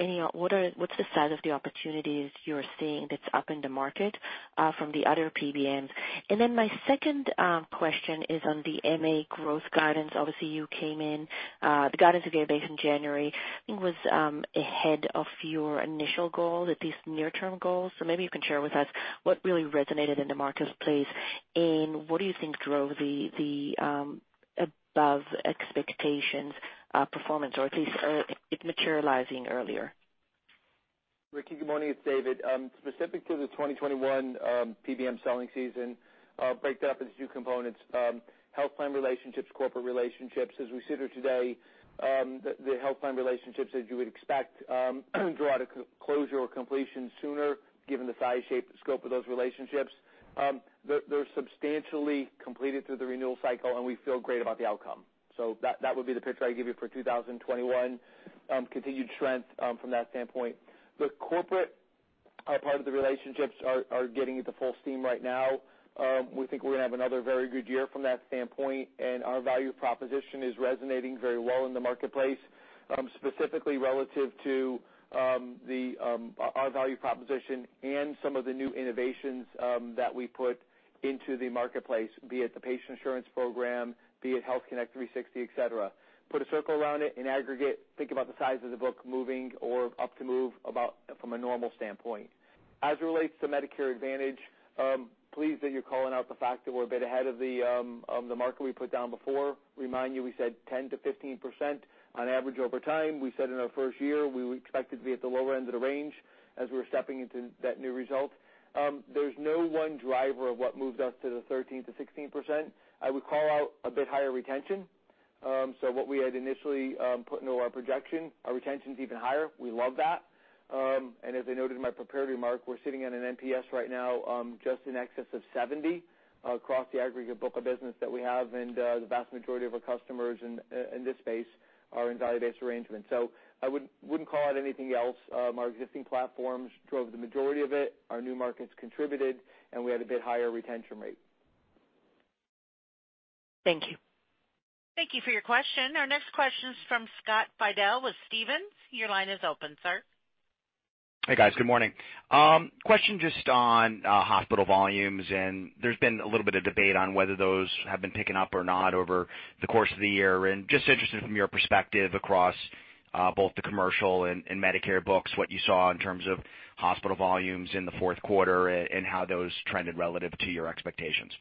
what's the size of the opportunities you're seeing that's up in the market from the other PBMs? My second question is on the MA growth guidance. Obviously, you came in, the guidance that you gave based in January, I think was ahead of your initial goal, at least near-term goals. Maybe you can share with us what really resonated in the marketplace, and what do you think drove the above expectations performance, or at least it materializing earlier? Ricky, good morning, it's David. Specific to the 2021 PBM selling season, I'll break that up into two components. Health plan relationships, corporate relationships. As we sit here today, the health plan relationships, as you would expect, draw to closure or completion sooner given the size, shape, scope of those relationships. They're substantially completed through the renewal cycle, and we feel great about the outcome. That would be the picture I give you for 2021, continued strength from that standpoint. The corporate part of the relationships are getting to full steam right now. We think we're going to have another very good year from that standpoint, and our value proposition is resonating very well in the marketplace, specifically relative to our value proposition and some of the new innovations that we put into the marketplace, be it the Patient Assurance Program, be it Health Connect 360, et cetera. Put a circle around it. In aggregate, think about the size of the book moving or up to move about from a normal standpoint. As it relates to Medicare Advantage, pleased that you're calling out the fact that we're a bit ahead of the market we put down before. Remind you, we said 10%-15% on average over time. We said in our first year, we expected to be at the lower end of the range as we were stepping into that new result. There's no one driver of what moves us to the 13%-16%. I would call out a bit higher retention. What we had initially put into our projection, our retention's even higher. We love that. As I noted in my prepared remark, we're sitting at an NPS right now, just in excess of 70 across the aggregate book of business that we have, and the vast majority of our customers in this space are in value-based arrangements. I wouldn't call out anything else. Our existing platforms drove the majority of it, our new markets contributed, and we had a bit higher retention rate. Thank you. Thank you for your question. Our next question is from Scott Fidel with Stephens. Your line is open, sir. Hey, guys. Good morning. Question just on hospital volumes, and there's been a little bit of debate on whether those have been picking up or not over the course of the year, and just interested from your perspective across both the commercial and Medicare books, what you saw in terms of hospital volumes in the fourth quarter and how those trended relative to your expectations.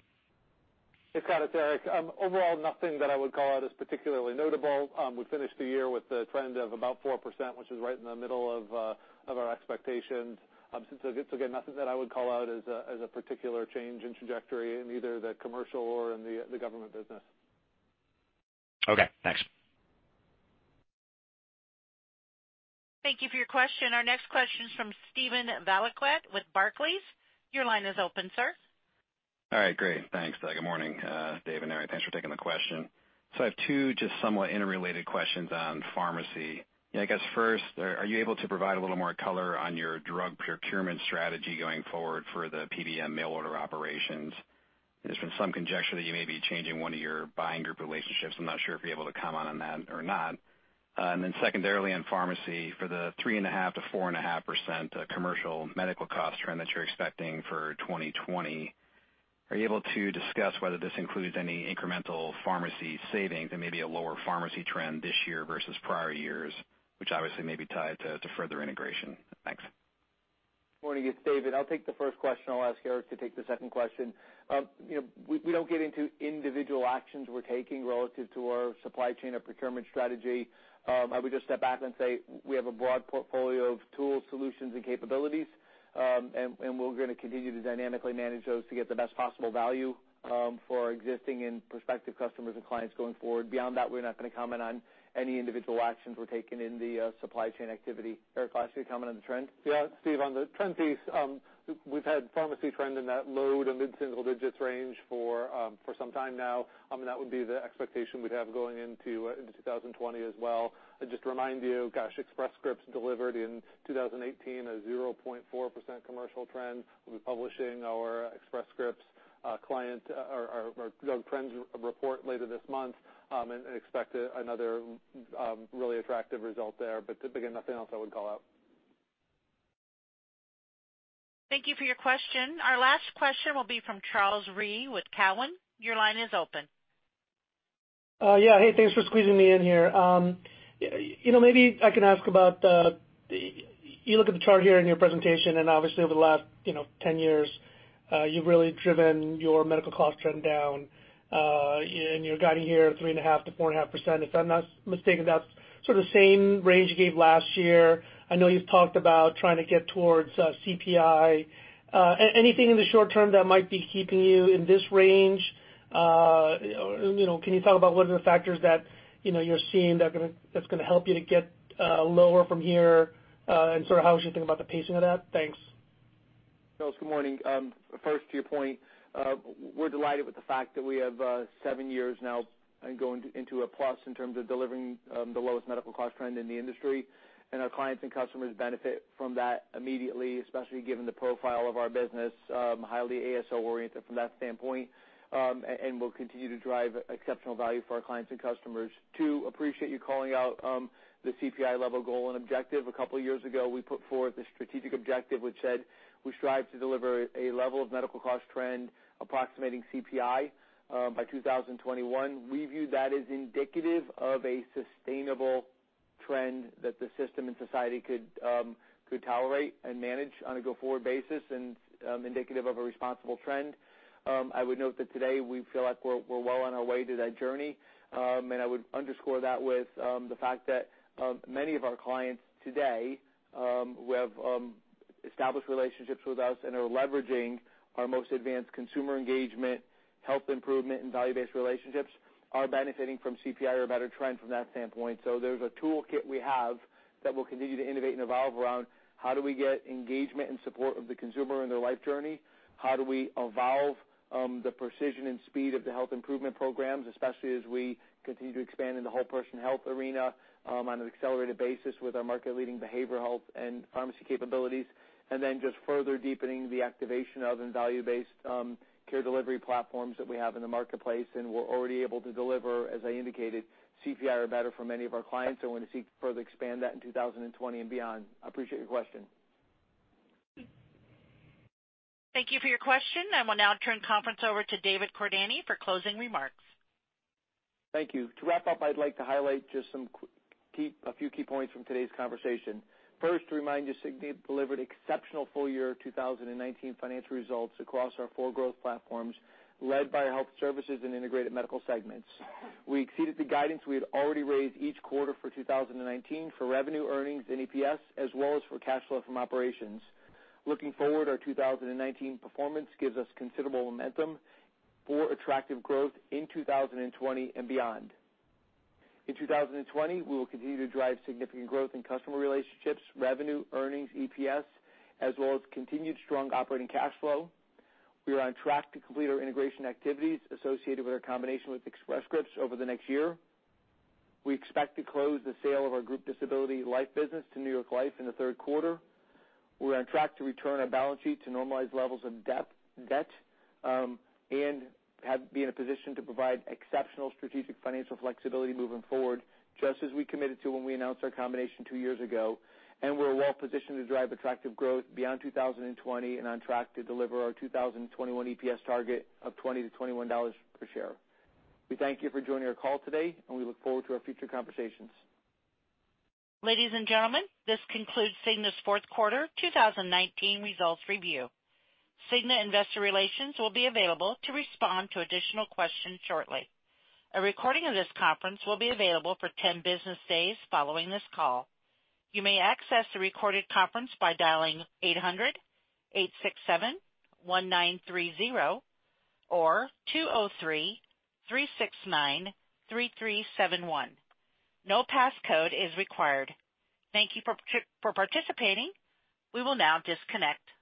Hey, Scott, it's Eric. Overall, nothing that I would call out as particularly notable. We finished the year with a trend of about 4%, which is right in the middle of our expectations. Again, nothing that I would call out as a particular change in trajectory in either the commercial or in the government business. Okay, thanks. Thank you for your question. Our next question is from Steven Valiquette with Barclays. Your line is open, sir. All right. Great. Thanks. Good morning, Dave and Eric. Thanks for taking the question. I have two just somewhat interrelated questions on pharmacy. I guess first, are you able to provide a little more color on your drug procurement strategy going forward for the PBM mail order operations? There's been some conjecture that you may be changing one of your buying group relationships. I'm not sure if you're able to comment on that or not. Secondarily, on pharmacy, for the 3.5%-4.5% commercial medical cost trend that you're expecting for 2020, are you able to discuss whether this includes any incremental pharmacy savings and maybe a lower pharmacy trend this year versus prior years, which obviously may be tied to further integration? Thanks. Morning, it's David. I'll take the first question. I'll ask Eric to take the second question. We don't get into individual actions we're taking relative to our supply chain or procurement strategy. I would just step back and say we have a broad portfolio of tools, solutions, and capabilities, and we're going to continue to dynamically manage those to get the best possible value for our existing and prospective customers and clients going forward. Beyond that, we're not going to comment on any individual actions we're taking in the supply chain activity. Eric, last, do you comment on the trend? Yeah, Steve, on the trend piece, we've had pharmacy trending at low to mid-single digits range for some time now. That would be the expectation we'd have going into 2020 as well. I'd just remind you, gosh, Express Scripts delivered in 2018 a 0.4% commercial trend. We'll be publishing our Express Scripts client, our drug trends report later this month, and expect another really attractive result there. Again, nothing else I would call out. Thank you for your question. Our last question will be from Charles Rhyee with Cowen. Your line is open. Yeah. Hey, thanks for squeezing me in here. You look at the chart here in your presentation, obviously over the last 10 years, you've really driven your medical cost trend down, and you're guiding here at 3.5%-4.5%. If I'm not mistaken, that's sort of the same range you gave last year. I know you've talked about trying to get towards CPI. Anything in the short term that might be keeping you in this range? Can you talk about what are the factors that you're seeing that's going to help you to get lower from here, and sort of how we should think about the pacing of that? Thanks. Charles, good morning. First, to your point, we're delighted with the fact that we have seven years now and going into a plus in terms of delivering the lowest medical cost trend in the industry. Our clients and customers benefit from that immediately, especially given the profile of our business, highly ASO-oriented from that standpoint, and we'll continue to drive exceptional value for our clients and customers. Two, appreciate you calling out the CPI level goal and objective. A couple of years ago, we put forth a strategic objective, which said we strive to deliver a level of medical cost trend approximating CPI by 2021. We view that as indicative of a sustainable trend that the system and society could tolerate and manage on a go-forward basis and indicative of a responsible trend. I would note that today we feel like we're well on our way to that journey. I would underscore that with the fact that many of our clients today, who have established relationships with us and are leveraging our most advanced consumer engagement, health improvement, and value-based relationships, are benefiting from CPI or a better trend from that standpoint. There's a toolkit we have that we'll continue to innovate and evolve around how do we get engagement and support of the consumer in their life journey? How do we evolve the precision and speed of the health improvement programs, especially as we continue to expand in the whole person health arena on an accelerated basis with our market-leading behavioral health and pharmacy capabilities, and then just further deepening the activation of and value-based care delivery platforms that we have in the marketplace? We're already able to deliver, as I indicated, CPI or better for many of our clients, and want to seek to further expand that in 2020 and beyond. I appreciate your question. Thank you for your question. I will now turn the conference over to David Cordani for closing remarks. Thank you. To wrap up, I'd like to highlight just a few key points from today's conversation. First, to remind you, Cigna delivered exceptional full-year 2019 financial results across our four growth platforms, led by our Health Services and Integrated Medical segments. We exceeded the guidance we had already raised each quarter for 2019 for revenue, earnings, and EPS, as well as for cash flow from operations. Looking forward, our 2019 performance gives us considerable momentum for attractive growth in 2020 and beyond. In 2020, we will continue to drive significant growth in customer relationships, revenue, earnings, EPS, as well as continued strong operating cash flow. We are on track to complete our integration activities associated with our combination with Express Scripts over the next year. We expect to close the sale of our group disability life business to New York Life in the third quarter. We're on track to return our balance sheet to normalized levels of debt and be in a position to provide exceptional strategic financial flexibility moving forward, just as we committed to when we announced our combination two years ago. We're well positioned to drive attractive growth beyond 2020 and on track to deliver our 2021 EPS target of $20-$21 per share. We thank you for joining our call today, and we look forward to our future conversations. Ladies and gentlemen, this concludes Cigna's fourth quarter 2019 results review. Cigna Investor Relations will be available to respond to additional questions shortly. A recording of this conference will be available for 10 business days following this call. You may access the recorded conference by dialing 800-867-1930 or 203-369-3371. No passcode is required. Thank you for participating. We will now disconnect.